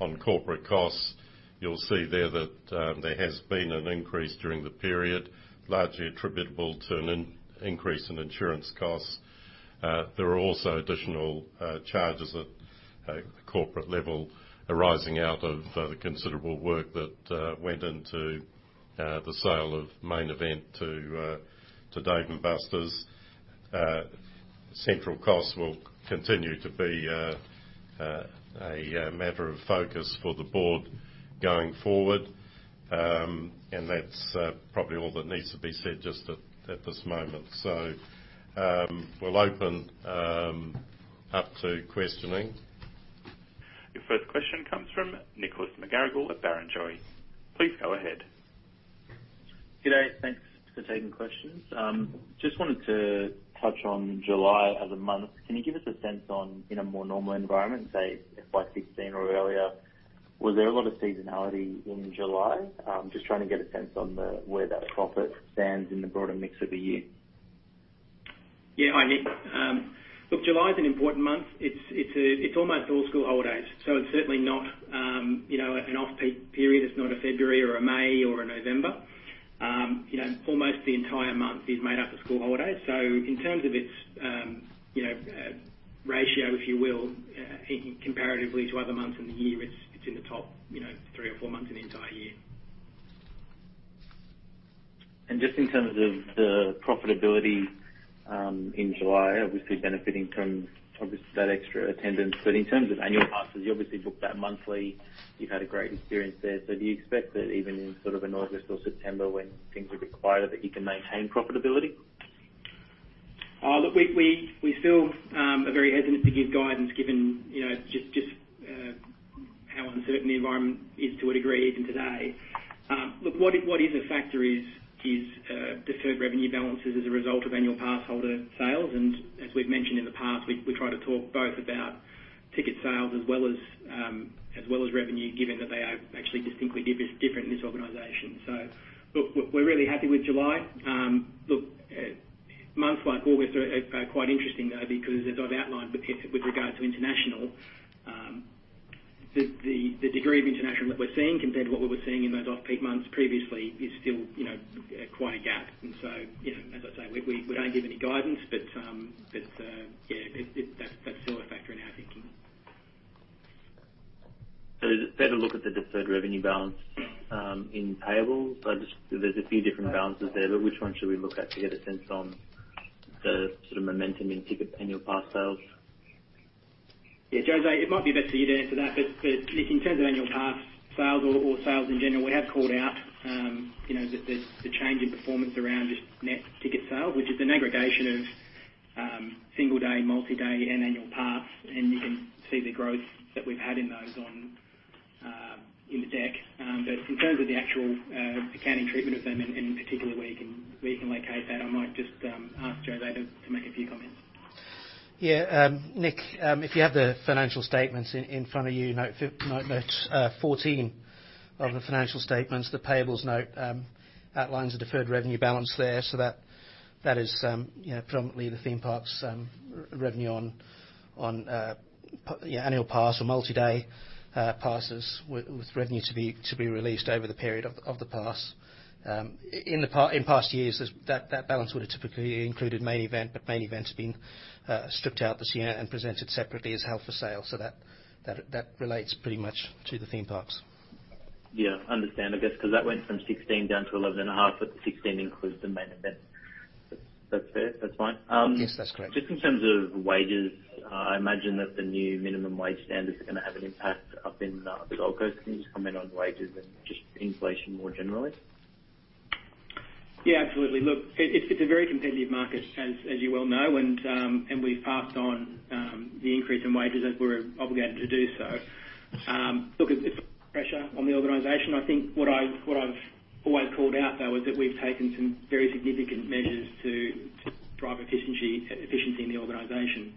on corporate costs. You'll see there that there has been an increase during the period, largely attributable to an increase in insurance costs. There are also additional charges at a corporate level arising out of the considerable work that went into the sale of Main Event to Dave & Buster's. Central costs will continue to be a matter of focus for the board going forward. That's probably all that needs to be said just at this moment. We'll open up to questioning. Your first question comes from Nicholas McGarrigle at Barrenjoey. Please go ahead. Good day. Thanks for taking questions. Just wanted to touch on July as a month. Can you give us a sense on, in a more normal environment, say FY 2016 or earlier, was there a lot of seasonality in July? I'm just trying to get a sense on the, where that profit stands in the broader mix of the year. Yeah. Hi, Nick. Look, July is an important month. It's almost all school holidays, so it's certainly not, you know, an off-peak period. It's not a February or a May or a November. You know, almost the entire month is made up of school holidays. So in terms of its, you know, ratio, if you will, comparatively to other months in the year, it's in the top, you know, three or four months in the entire year. Just in terms of the profitability, in July, obviously benefiting from obviously that extra attendance. In terms of annual passes, you obviously booked that monthly. You've had a great experience there. Do you expect that even in sort of an August or September when things are a bit quieter, that you can maintain profitability? Look, we still are very hesitant to give guidance given, you know, just how uncertain the environment is to a degree even today. What is a factor is deferred revenue balances as a result of annual pass holder sales. As we've mentioned in the past, we try to talk both about ticket sales as well as revenue, given that they are actually distinctly different in this organization. Look, we're really happy with July. Months like August are quite interesting though, because as I've outlined with regard to international, the degree of international that we're seeing compared to what we were seeing in those off-peak months previously is still, you know, quite a gap. You know, as I say, we don't give any guidance, but yeah, that's still a factor in our thinking. Is it fair to look at the deferred revenue balance, in payables? Or just there's a few different balances there, but which one should we look at to get a sense on the sort of momentum in ticket annual pass sales? Yeah, José, it might be best for you to answer that. Nick, in terms of annual pass sales or sales in general, we have called out you know the change in performance around just net ticket sales, which is an aggregation of single day, multi-day and annual pass. You can see the growth that we've had in those on in the deck. In terms of the actual accounting treatment of them in particular, where you can locate that, I might just ask José to make a few comments. Yeah. Nick, if you have the financial statements in front of you, note 14 of the financial statements, the payables note, outlines the deferred revenue balance there. That is, you know, predominantly the theme parks revenue on annual pass or multi-day passes with revenue to be released over the period of the pass. In past years, that balance would have typically included Main Event, but Main Event has been stripped out this year and presented separately as held for sale. That relates pretty much to the theme parks. Yeah, understand. I guess, 'cause that went from 16 down to 11.5, but the 16 includes the Main Event. That's fair. That's fine. Yes, that's correct. Just in terms of wages, I imagine that the new minimum wage standards are gonna have an impact up in the Gold Coast. Can you just comment on wages and just inflation more generally? Yeah, absolutely. Look, it's a very competitive market, as you well know, and we've passed on the increase in wages as we're obligated to do so. Look, it's a pressure on the organization. I think what I've always called out, though, is that we've taken some very significant measures to drive efficiency in the organization.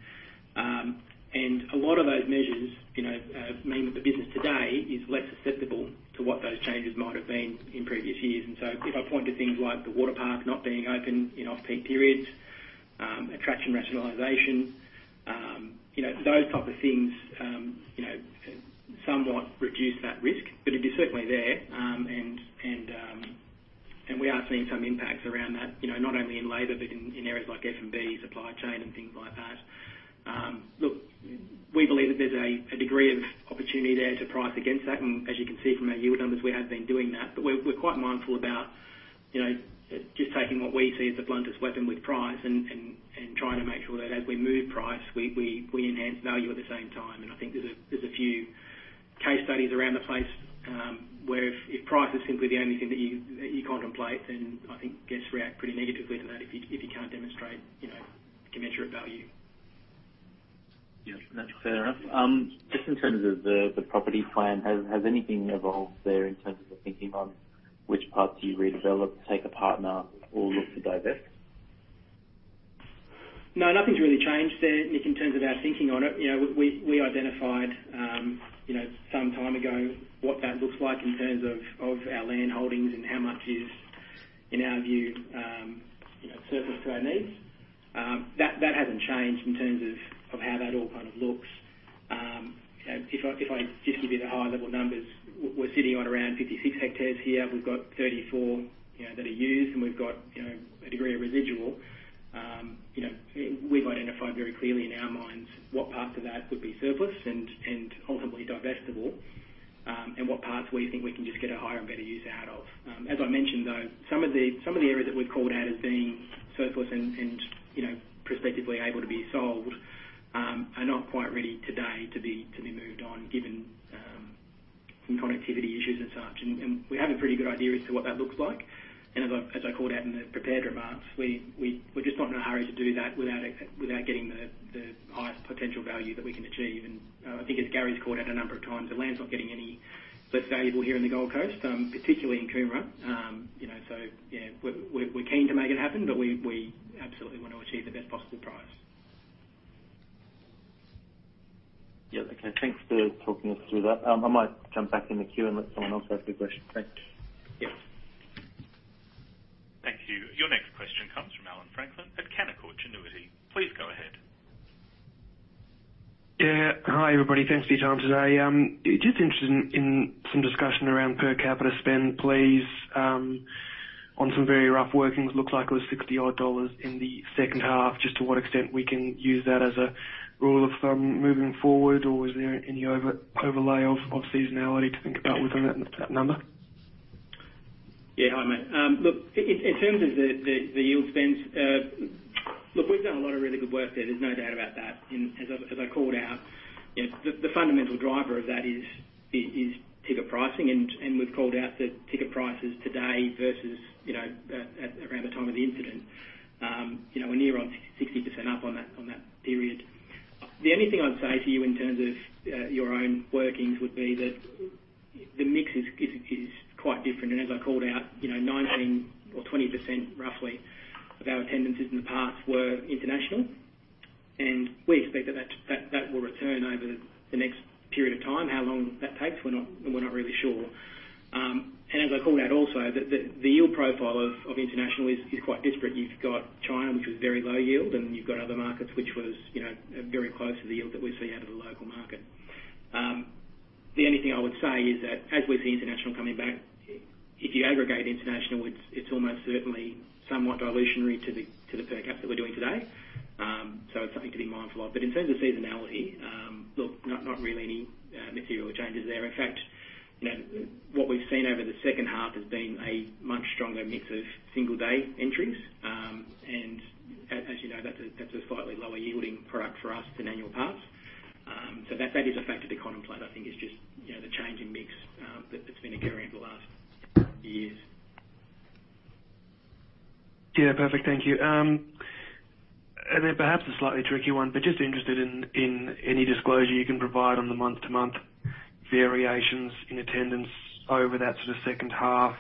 A lot of those measures, you know, mean that the business today is less susceptible to what those changes might have been in previous years. If I point to things like the water park not being open in off-peak periods, attraction rationalization, you know, those type of things, you know, somewhat reduce that risk. It is certainly there, and we are seeing some impacts around that, you know, not only in labor, but in areas like F&B, supply chain, and things like that. Look, we believe that there's a degree of opportunity there to price against that. As you can see from our yield numbers, we have been doing that. We're quite mindful about, you know, just taking what we see as the bluntest weapon with price and trying to make sure that as we move price, we enhance value at the same time. I think there's a few case studies around the place, where if price is simply the only thing that you contemplate, then I think guests react pretty negatively to that if you can't demonstrate, you know, commensurate value. Yes, that's fair enough. Just in terms of the property plan, has anything evolved there in terms of the thinking on which parts you redevelop, take a partner, or look to divest? No, nothing's really changed there, Nick, in terms of our thinking on it. You know, we identified some time ago what that looks like in terms of our land holdings and how much is, in our view, you know, surplus to our needs. That hasn't changed in terms of how that all kind of looks. If I just give you the high level numbers, we're sitting on around 56 hectares here. We've got 34, you know, that are used, and we've got, you know, a degree of residual. You know, we've identified very clearly in our minds what parts of that would be surplus and ultimately divestible, and what parts we think we can just get a higher and better use out of. As I mentioned, though, some of the areas that we've called out as being surplus and, you know, prospectively able to be sold are not quite ready today to be moved on given some connectivity issues and such. We have a pretty good idea as to what that looks like. As I called out in the prepared remarks, we're just not in a hurry to do that without getting the highest potential value that we can achieve. I think as Gary's called out a number of times, the land's not getting any less valuable here in the Gold Coast, particularly in Coomera. You know, so yeah, we're keen to make it happen, but we absolutely want to achieve the best possible price. Yeah. Okay. Thanks for talking us through that. I might jump back in the queue and let someone else ask a question. Thanks. Yeah. Thank you. Your next question comes from Allan Franklin at Canaccord Genuity. Please go ahead. Yeah. Hi, everybody. Thanks for your time today. Just interested in some discussion around per capita spend, please. On some very rough workings, looks like it was 60 dollars in the second half. Just to what extent we can use that as a rule of thumb moving forward, or is there any overlay of seasonality to think about within that number? Yeah. Hi, mate. Look, in terms of the yield spends, we've done a lot of really good work there. There's no doubt about that. As I called out, you know, the fundamental driver of that is ticket pricing. We've called out that ticket prices today versus, you know, at around the time of the incident, you know, we're near on 60% up on that period. The only thing I'd say to you in terms of your own workings would be that the mix is quite different. As I called out, you know, 19% or 20%, roughly, of our attendances in the past were international. We expect that will return over the next period of time. How long that takes, we're not really sure. As I called out also, the yield profile of international is quite disparate. You've got China, which was very low yield, and you've got other markets which was, you know, very close to the yield that we see out of the local market. The only thing I would say is that as we see international coming back, if you aggregate international, it's almost certainly somewhat dilutionary to the per cap that we're doing today. So it's something to be mindful of. In terms of seasonality, look, not really any material changes there. In fact, you know, what we've seen over the second half has been a much stronger mix of single day entries. As you know, that's a slightly lower yielding product for us than annual pass. That is a factor to contemplate. I think is just you know the change in mix that has been occurring over the last years. Yeah, perfect. Thank you. Perhaps a slightly tricky one, but just interested in any disclosure you can provide on the month-to-month variations in attendance over that sort of second half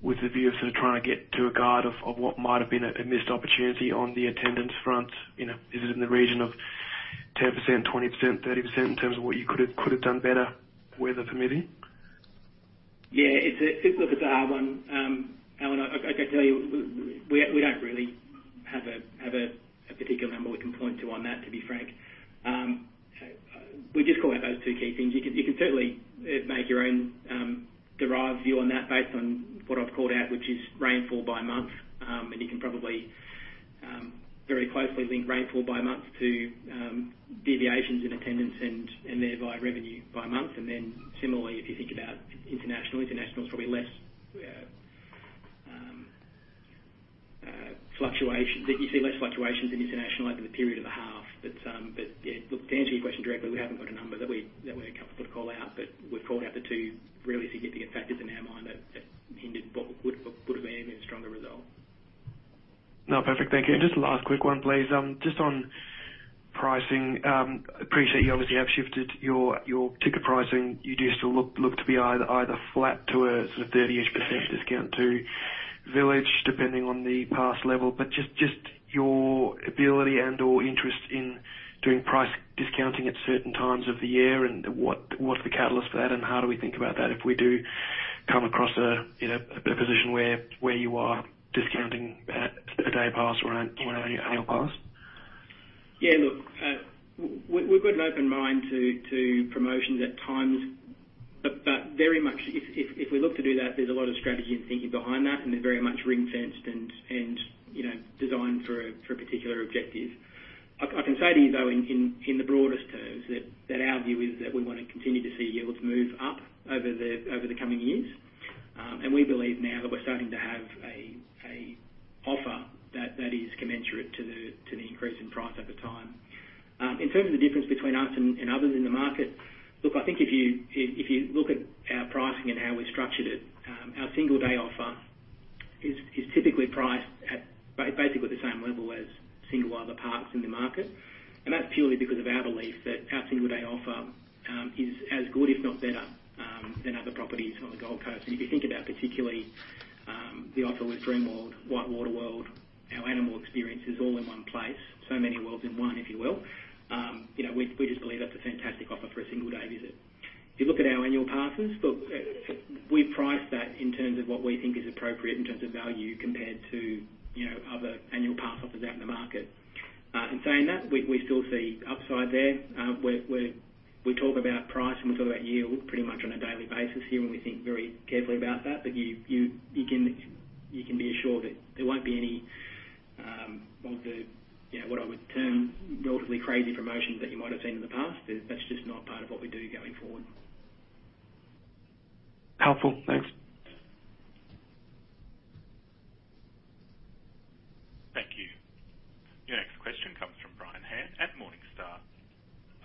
with the view of sort of trying to get to a guide of what might have been a missed opportunity on the attendance front. You know, is it in the region of 10%, 20%, 30% in terms of what you could have done better, weather permitting? Yeah. It's a hard one. Allan, I got to tell you, we don't really have a particular number we can point to on that, to be frank. We just call out those two key things. You can certainly make your own derived view on that based on what I've called out, which is rainfall by month. You can probably very closely link rainfall by month to deviations in attendance and thereby revenue by month. Similarly, if you think about international's probably less fluctuation that you see in international over the period of the half. Yeah, look, to answer your question directly, we haven't got a number that we're comfortable to call out, but we've called out the two really significant factors in our mind that hindered what would have been a stronger result. No, perfect. Thank you. Just last quick one, please. Just on pricing. Appreciate you obviously have shifted your ticket pricing. You do still look to be either flat to a sort of 30-ish% discount to Village, depending on the pass level. Just your ability and/or interest in doing price discounting at certain times of the year, and what's the catalyst for that, and how do we think about that if we do come across a, you know, a position where you are discounting a day pass or an, you know, annual pass? Yeah, look, we've got an open mind to promotions at times. Very much if we look to do that, there's a lot of strategy and thinking behind that, and they're very much ring-fenced and you know, designed for a particular objective. I can say to you, though, in the broadest terms that our view is that we wanna continue to see yields move up over the coming years. We believe now that we're starting to have a offer that is commensurate to the increase in price at the time. In terms of the difference between us and others in the market, look, I think if you look at our pricing and how we structured it, our single day offer is typically priced at basically the same level as single other parks in the market. That's purely because of our belief that our single day offer is as good, if not better, than other properties on the Gold Coast. If you think about particularly the offer with Dreamworld, WhiteWater World, our animal experience is all in one place. So many worlds in one, if you will. You know, we just believe that's a fantastic offer for a single day visit. If you look at our annual passes, look, we price that in terms of what we think is appropriate in terms of value compared to, you know, other annual pass offers out in the market. Saying that, we still see upside there. We talk about price, and we talk about yield pretty much on a daily basis here, and we think very carefully about that. You can be assured that there won't be any, you know, of the what I would term relatively crazy promotions that you might have seen in the past. That's just not part of what we do going forward. Helpful. Thanks.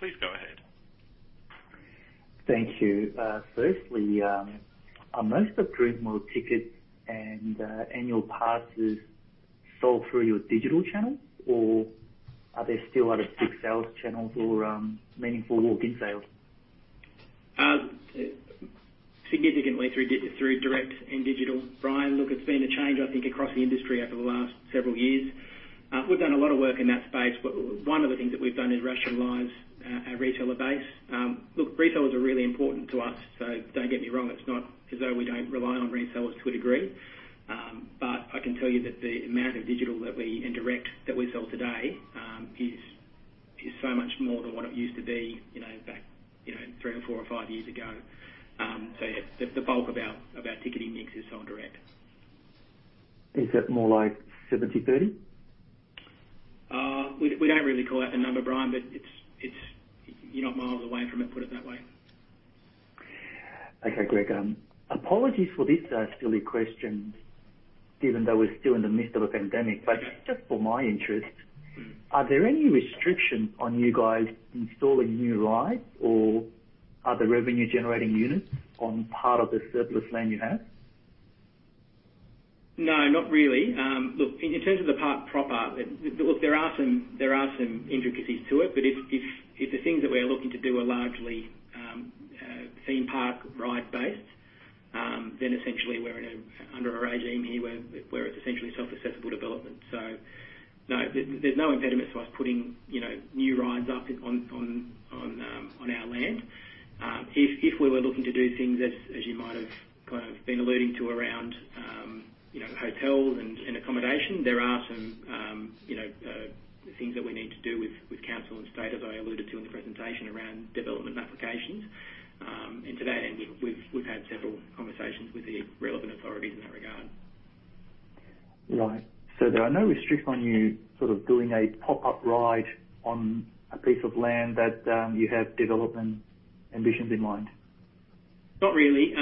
Thank you. Your next question comes from Brian Han at Morningstar. Please go ahead. Thank you. Firstly, are most of Dreamworld tickets and annual passes sold through your digital channel, or are there still other big sales channels or meaningful walk-in sales? Significantly through direct and digital. Brian, look, it's been a change, I think, across the industry over the last several years. We've done a lot of work in that space. One of the things that we've done is rationalize our retailer base. Look, retailers are really important to us, so don't get me wrong. It's not as though we don't rely on retailers to a degree. I can tell you that the amount of digital and direct that we sell today is so much more than what it used to be, you know, back three or four or five years ago. Yeah, the bulk of our ticketing mix is sold direct. Is it more like 70/30? We don't really call out the number, Brian, but it's. You're not miles away from it, put it that way. Okay, Greg. Apologies for this silly question, given that we're still in the midst of a pandemic, but just for my interest. Mm-hmm. Are there any restrictions on you guys installing new rides or other revenue-generating units on part of the surplus land you have? No, not really. Look, in terms of the park proper, there are some intricacies to it. If the things that we're looking to do are largely theme park ride-based, then essentially we're under a regime here where it's essentially self-assessable development. No, there's no impediment to us putting, you know, new rides up on our land. If we were looking to do things as you might have kind of been alluding to around, you know, hotels and accommodation, there are some, you know, things that we need to do with council and state, as I alluded to in the presentation, around development applications. To that end, we've had several conversations with the relevant authorities in that regard. Right. There are no restriction on you sort of doing a pop-up ride on a piece of land that you have development ambitions in mind? Not really.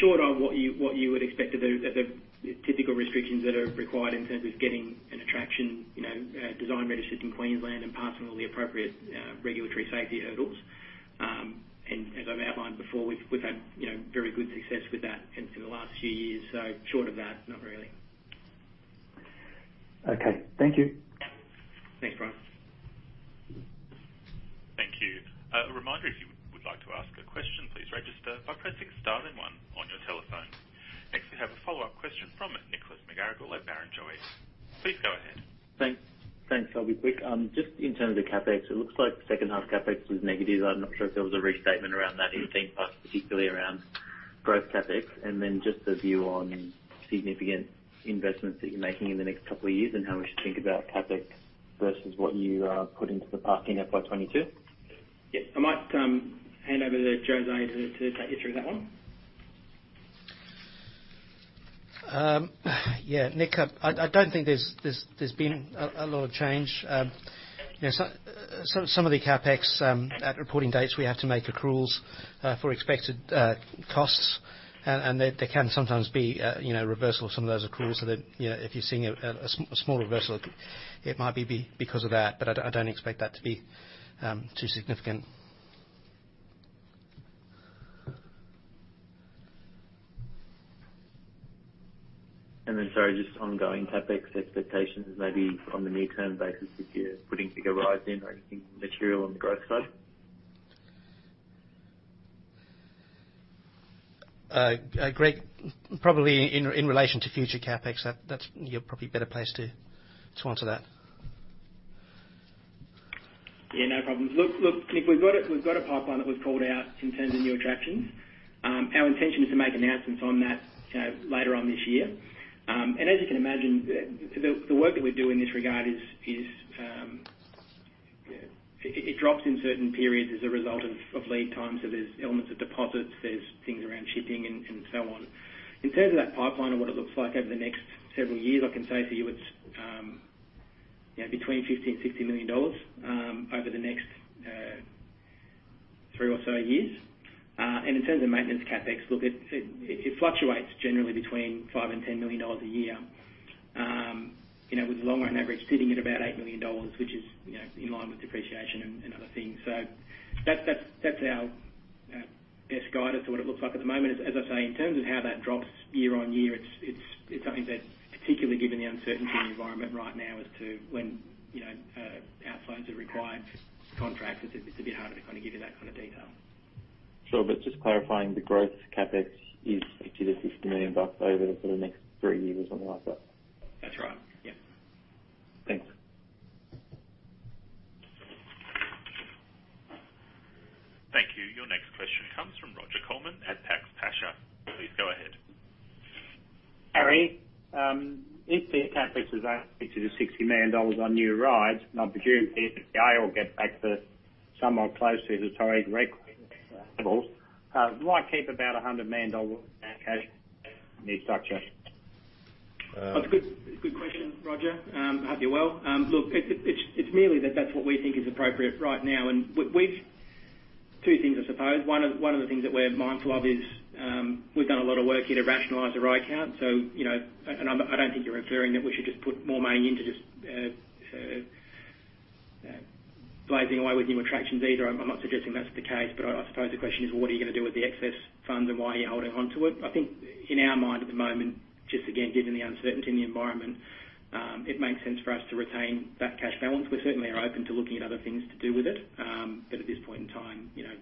Short of what you would expect are the typical restrictions that are required in terms of getting an attraction, you know, design registered in Queensland and passing all the appropriate regulatory safety hurdles. As I've outlined before, we've had you know very good success with that in for the last few years. Short of that, not really. Okay. Thank you. Thanks, Brian. Thank you. A reminder, if you would like to ask a question, please register by pressing star then one on your telephone. Next, we have a follow-up question from Nicholas McGarrigle at Barrenjoey. Please go ahead. Thanks. I'll be quick. Just in terms of the CapEx, it looks like second half CapEx was negative. I'm not sure if there was a restatement around that in theme parks, particularly around growth CapEx. Just a view on significant investments that you're making in the next couple of years and how we should think about CapEx versus what you put into the park in FY 2022. Yeah. I might hand over to José to take you through that one. Yeah, Nick, I don't think there's been a lot of change. You know, some of the CapEx at reporting dates, we have to make accruals for expected costs. They can sometimes be, you know, reversal of some of those accruals so that, you know, if you're seeing a small reversal, it might be because of that. I don't expect that to be too significant. Sorry, just ongoing CapEx expectations, maybe on the mid-term basis, if you're putting bigger rides in or anything material on the growth side? Greg, probably in relation to future CapEx, you're probably better placed to answer that. Yeah, no problems. Look, Nick, we've got a pipeline that we've called out in terms of new attractions. Our intention is to make announcements on that later on this year. As you can imagine, the work that we do in this regard drops in certain periods as a result of lead times. So there's elements of deposits, there's things around shipping and so on. In terms of that pipeline and what it looks like over the next several years, I can say to you it's, you know, between 50 million dollars and AUD 60 million over the next three or so years. In terms of maintenance CapEx, look, it fluctuates generally between 5 million and 10 million dollars a year. You know, with the long run average sitting at about 8 million dollars, which is, you know, in line with depreciation and other things. That's our best guidance to what it looks like at the moment. As I say, in terms of how that drops year-on-year, it's something that particularly given the uncertain environment right now as to when, you know, outflows are required to contract, it's a bit harder to kind of give you that kind of detail. Sure. Just clarifying, the growth CapEx is 50 million-60 million bucks over the sort of next three years or something like that? That's right. Yeah. Thanks. Thank you. Your next question comes from Roger Colman at. [inaudible] Please go ahead. Gary, if the CapEx is only 50 million-60 million dollars on new rides, and I presume the EBITDA will get back to somewhat close to the target levels, why keep about AUD 100 million in cash infrastructure? That's a good question, Roger. I hope you're well. Look, it's merely that that's what we think is appropriate right now. We've two things, I suppose. One of the things that we're mindful of is, we've done a lot of work here to rationalize the ride count. You know, and I don't think you're inferring that we should just put more money in to just blazing away with new attractions either. I'm not suggesting that's the case, but I suppose the question is, what are you gonna do with the excess funds and why are you holding on to it? I think in our mind at the moment, just again, given the uncertainty in the environment, it makes sense for us to retain that cash balance. We certainly are open to looking at other things to do with it. But at this point in time, you know,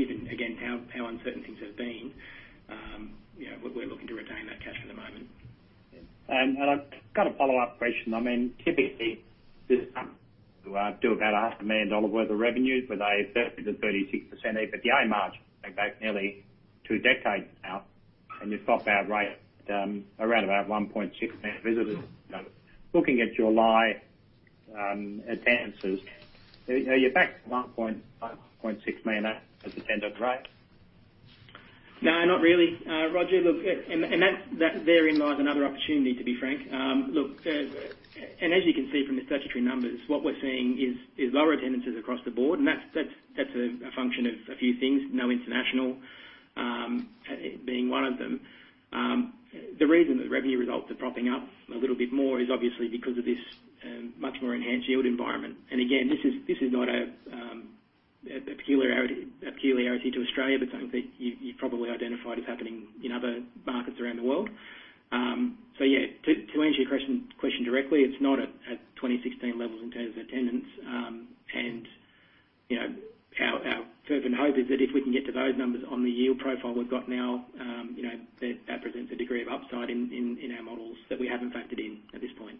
given again, how uncertain things have been, you know, we're looking to retain that cash for the moment. I've got a follow-up question. I mean, typically, this company does about AUD 500,000 worth of revenue with a 30%-36% EBITDA margin going back nearly two decades now. You've got that rate around about 1.6 million visitors. Looking at July attendances, are you back to 1.6 million as an attendance rate? No, not really. Roger, look, therein lies another opportunity, to be frank. As you can see from the statutory numbers, what we're seeing is lower attendances across the board. That's a function of a few things, no international being one of them. The reason the revenue results are propping up a little bit more is obviously because of this much more enhanced yield environment. Again, this is not a peculiarity to Australia, but something you probably identified as happening in other markets around the world. Yeah, to answer your question directly, it's not at 2016 levels in terms of attendance. You know, our fervent hope is that if we can get to those numbers on the yield profile we've got now, you know, that presents a degree of upside in our models that we haven't factored in at this point.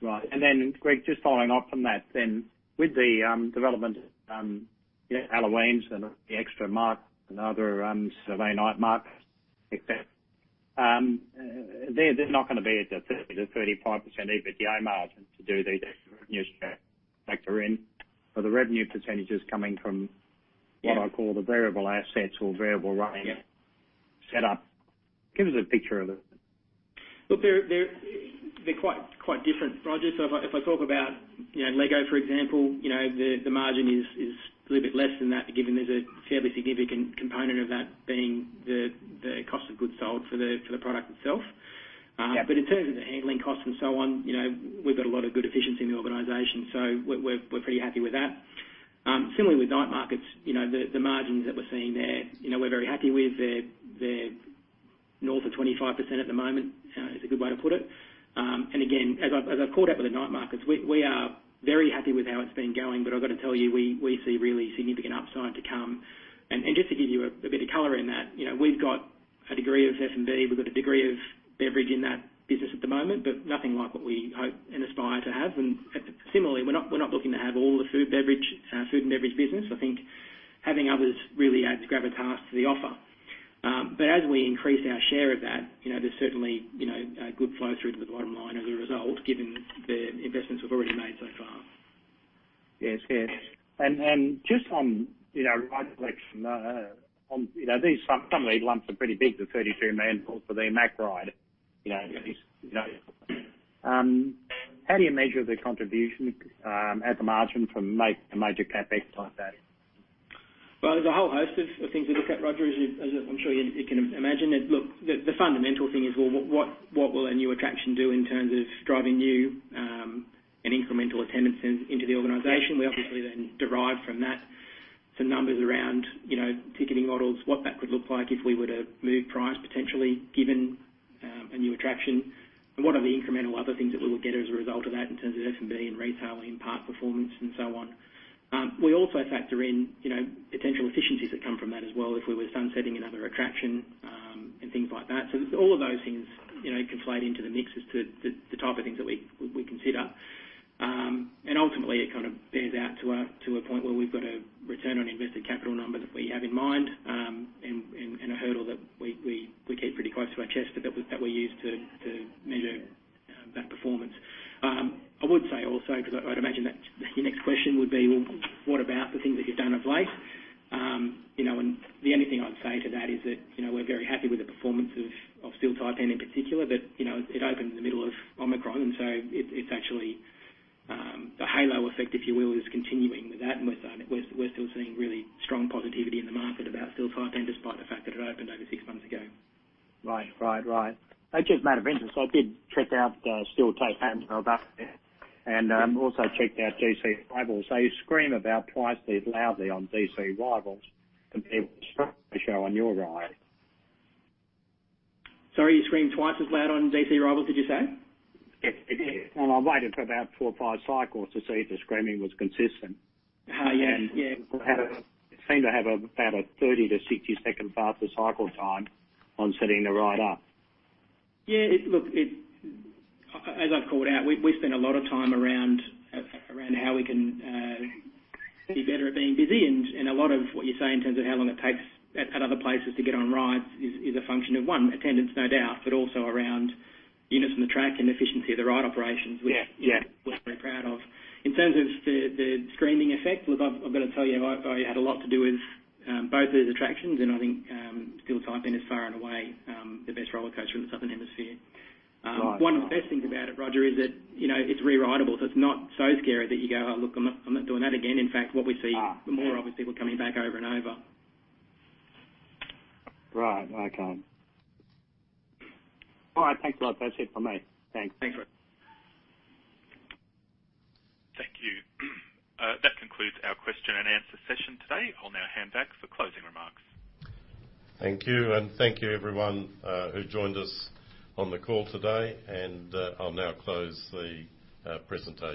Right. Then Greg, just following up from that. With the development, you know, Halloween and the extra markets and other Saturday Night Markets, etc., they're not gonna be at the 30%-35% EBITDA margin to do these extra revenue share factor in. Are the revenue percentages coming from what? Yeah. I call the variable assets or variable revenue. Yeah. Set up? Give us a picture of it. Look, they're quite different, Roger. If I talk about, you know, LEGO, for example, you know, the margin is a little bit less than that, given there's a fairly significant component of that being the cost of goods sold for the product itself. Yeah. In terms of the handling costs and so on, you know, we've got a lot of good efficiency in the organization, so we're pretty happy with that. Similarly with night markets, you know, the margins that we're seeing there, you know, we're very happy with. They're north of 25% at the moment is a good way to put it. Again, as I've called out with the night markets, we are very happy with how it's been going, but I've gotta tell you, we see really significant upside to come. Just to give you a bit of color in that, you know, we've got a degree of F&B, we've got a degree of beverage in that business at the moment, but nothing like what we hope and aspire to have. Similarly, we're not looking to have all the food and beverage business. I think having others really adds gravitas to the offer. As we increase our share of that, you know, there's certainly, you know, a good flow through to the bottom line as a result, given the investments we've already made so far. Yes. Yes. Just on, you know, ride collection, on, you know, these, some of these lumps are pretty big, the 32 million for the Steel Taipan, you know, at least, you know. How do you measure the contribution, at the margin from a major CapEx like that? Well, there's a whole host of things to look at, Roger, as I'm sure you can imagine. Look, the fundamental thing is what will a new attraction do in terms of driving new and incremental attendance into the organization. We obviously then derive from that to numbers around, you know, ticketing models, what that could look like if we were to move price potentially, given a new attraction, and what are the incremental other things that we will get as a result of that in terms of F&B and retailing, park performance and so on. We also factor in, you know, potential efficiencies that come from that as well if we were sun-setting another attraction, and things like that. All of those things, you know, conflate into the mix as to the type of things that we consider. Ultimately it kind of bears out to a point where we've got a Return on Invested Capital number that we have in mind, and a hurdle that we keep pretty close to our chest, but that we use to measure that performance. I would say also, 'cause I'd imagine that your next question would be, well, what about the things that you've done of late? The only thing I'd say to that is that, you know, we're very happy with the performance of Steel Taipan in particular. You know, it opened in the middle of Omicron, and so it's actually the halo effect, if you will, is continuing with that. We're still seeing really strong positivity in the market about Steel Taipan, despite the fact that it opened over six months ago. Right. Just a matter of interest, I did check out Steel Taipan when I was out there, and also checked out DC Rivals. They scream about twice as loudly on DC Rivals compared with the shout on your ride. Sorry, you scream twice as loud on DC Rivals, did you say? Yes. It did. I waited for about four or five cycles to see if the screaming was consistent. Oh, yeah. Yeah. Seemed to have a about a 30-60-second faster cycle time on setting the ride up. Look, as I've called out, we spend a lot of time around how we can be better at being busy. A lot of what you say in terms of how long it takes at other places to get on rides is a function of, one, attendance, no doubt, but also around units on the track and efficiency of the ride operations. Yeah. Yeah which we're very proud of. In terms of the screaming effect, look, I've got to tell you, I had a lot to do with both of the attractions and I think Steel Taipan is far and away the best roller coaster in the Southern Hemisphere. Right. One of the best things about it, Roger, is that, you know, it's re-rideable, so it's not so scary that you go, "Oh, look, I'm not doing that again." In fact, what we see. Ah. More often is people coming back over and over. Right. Okay. All right. Thanks a lot. That's it from me. Thanks. Thanks, Roger. Thank you. That concludes our question and answer session today. I'll now hand back for closing remarks. Thank you. Thank you everyone who joined us on the call today. I'll now close the presentation.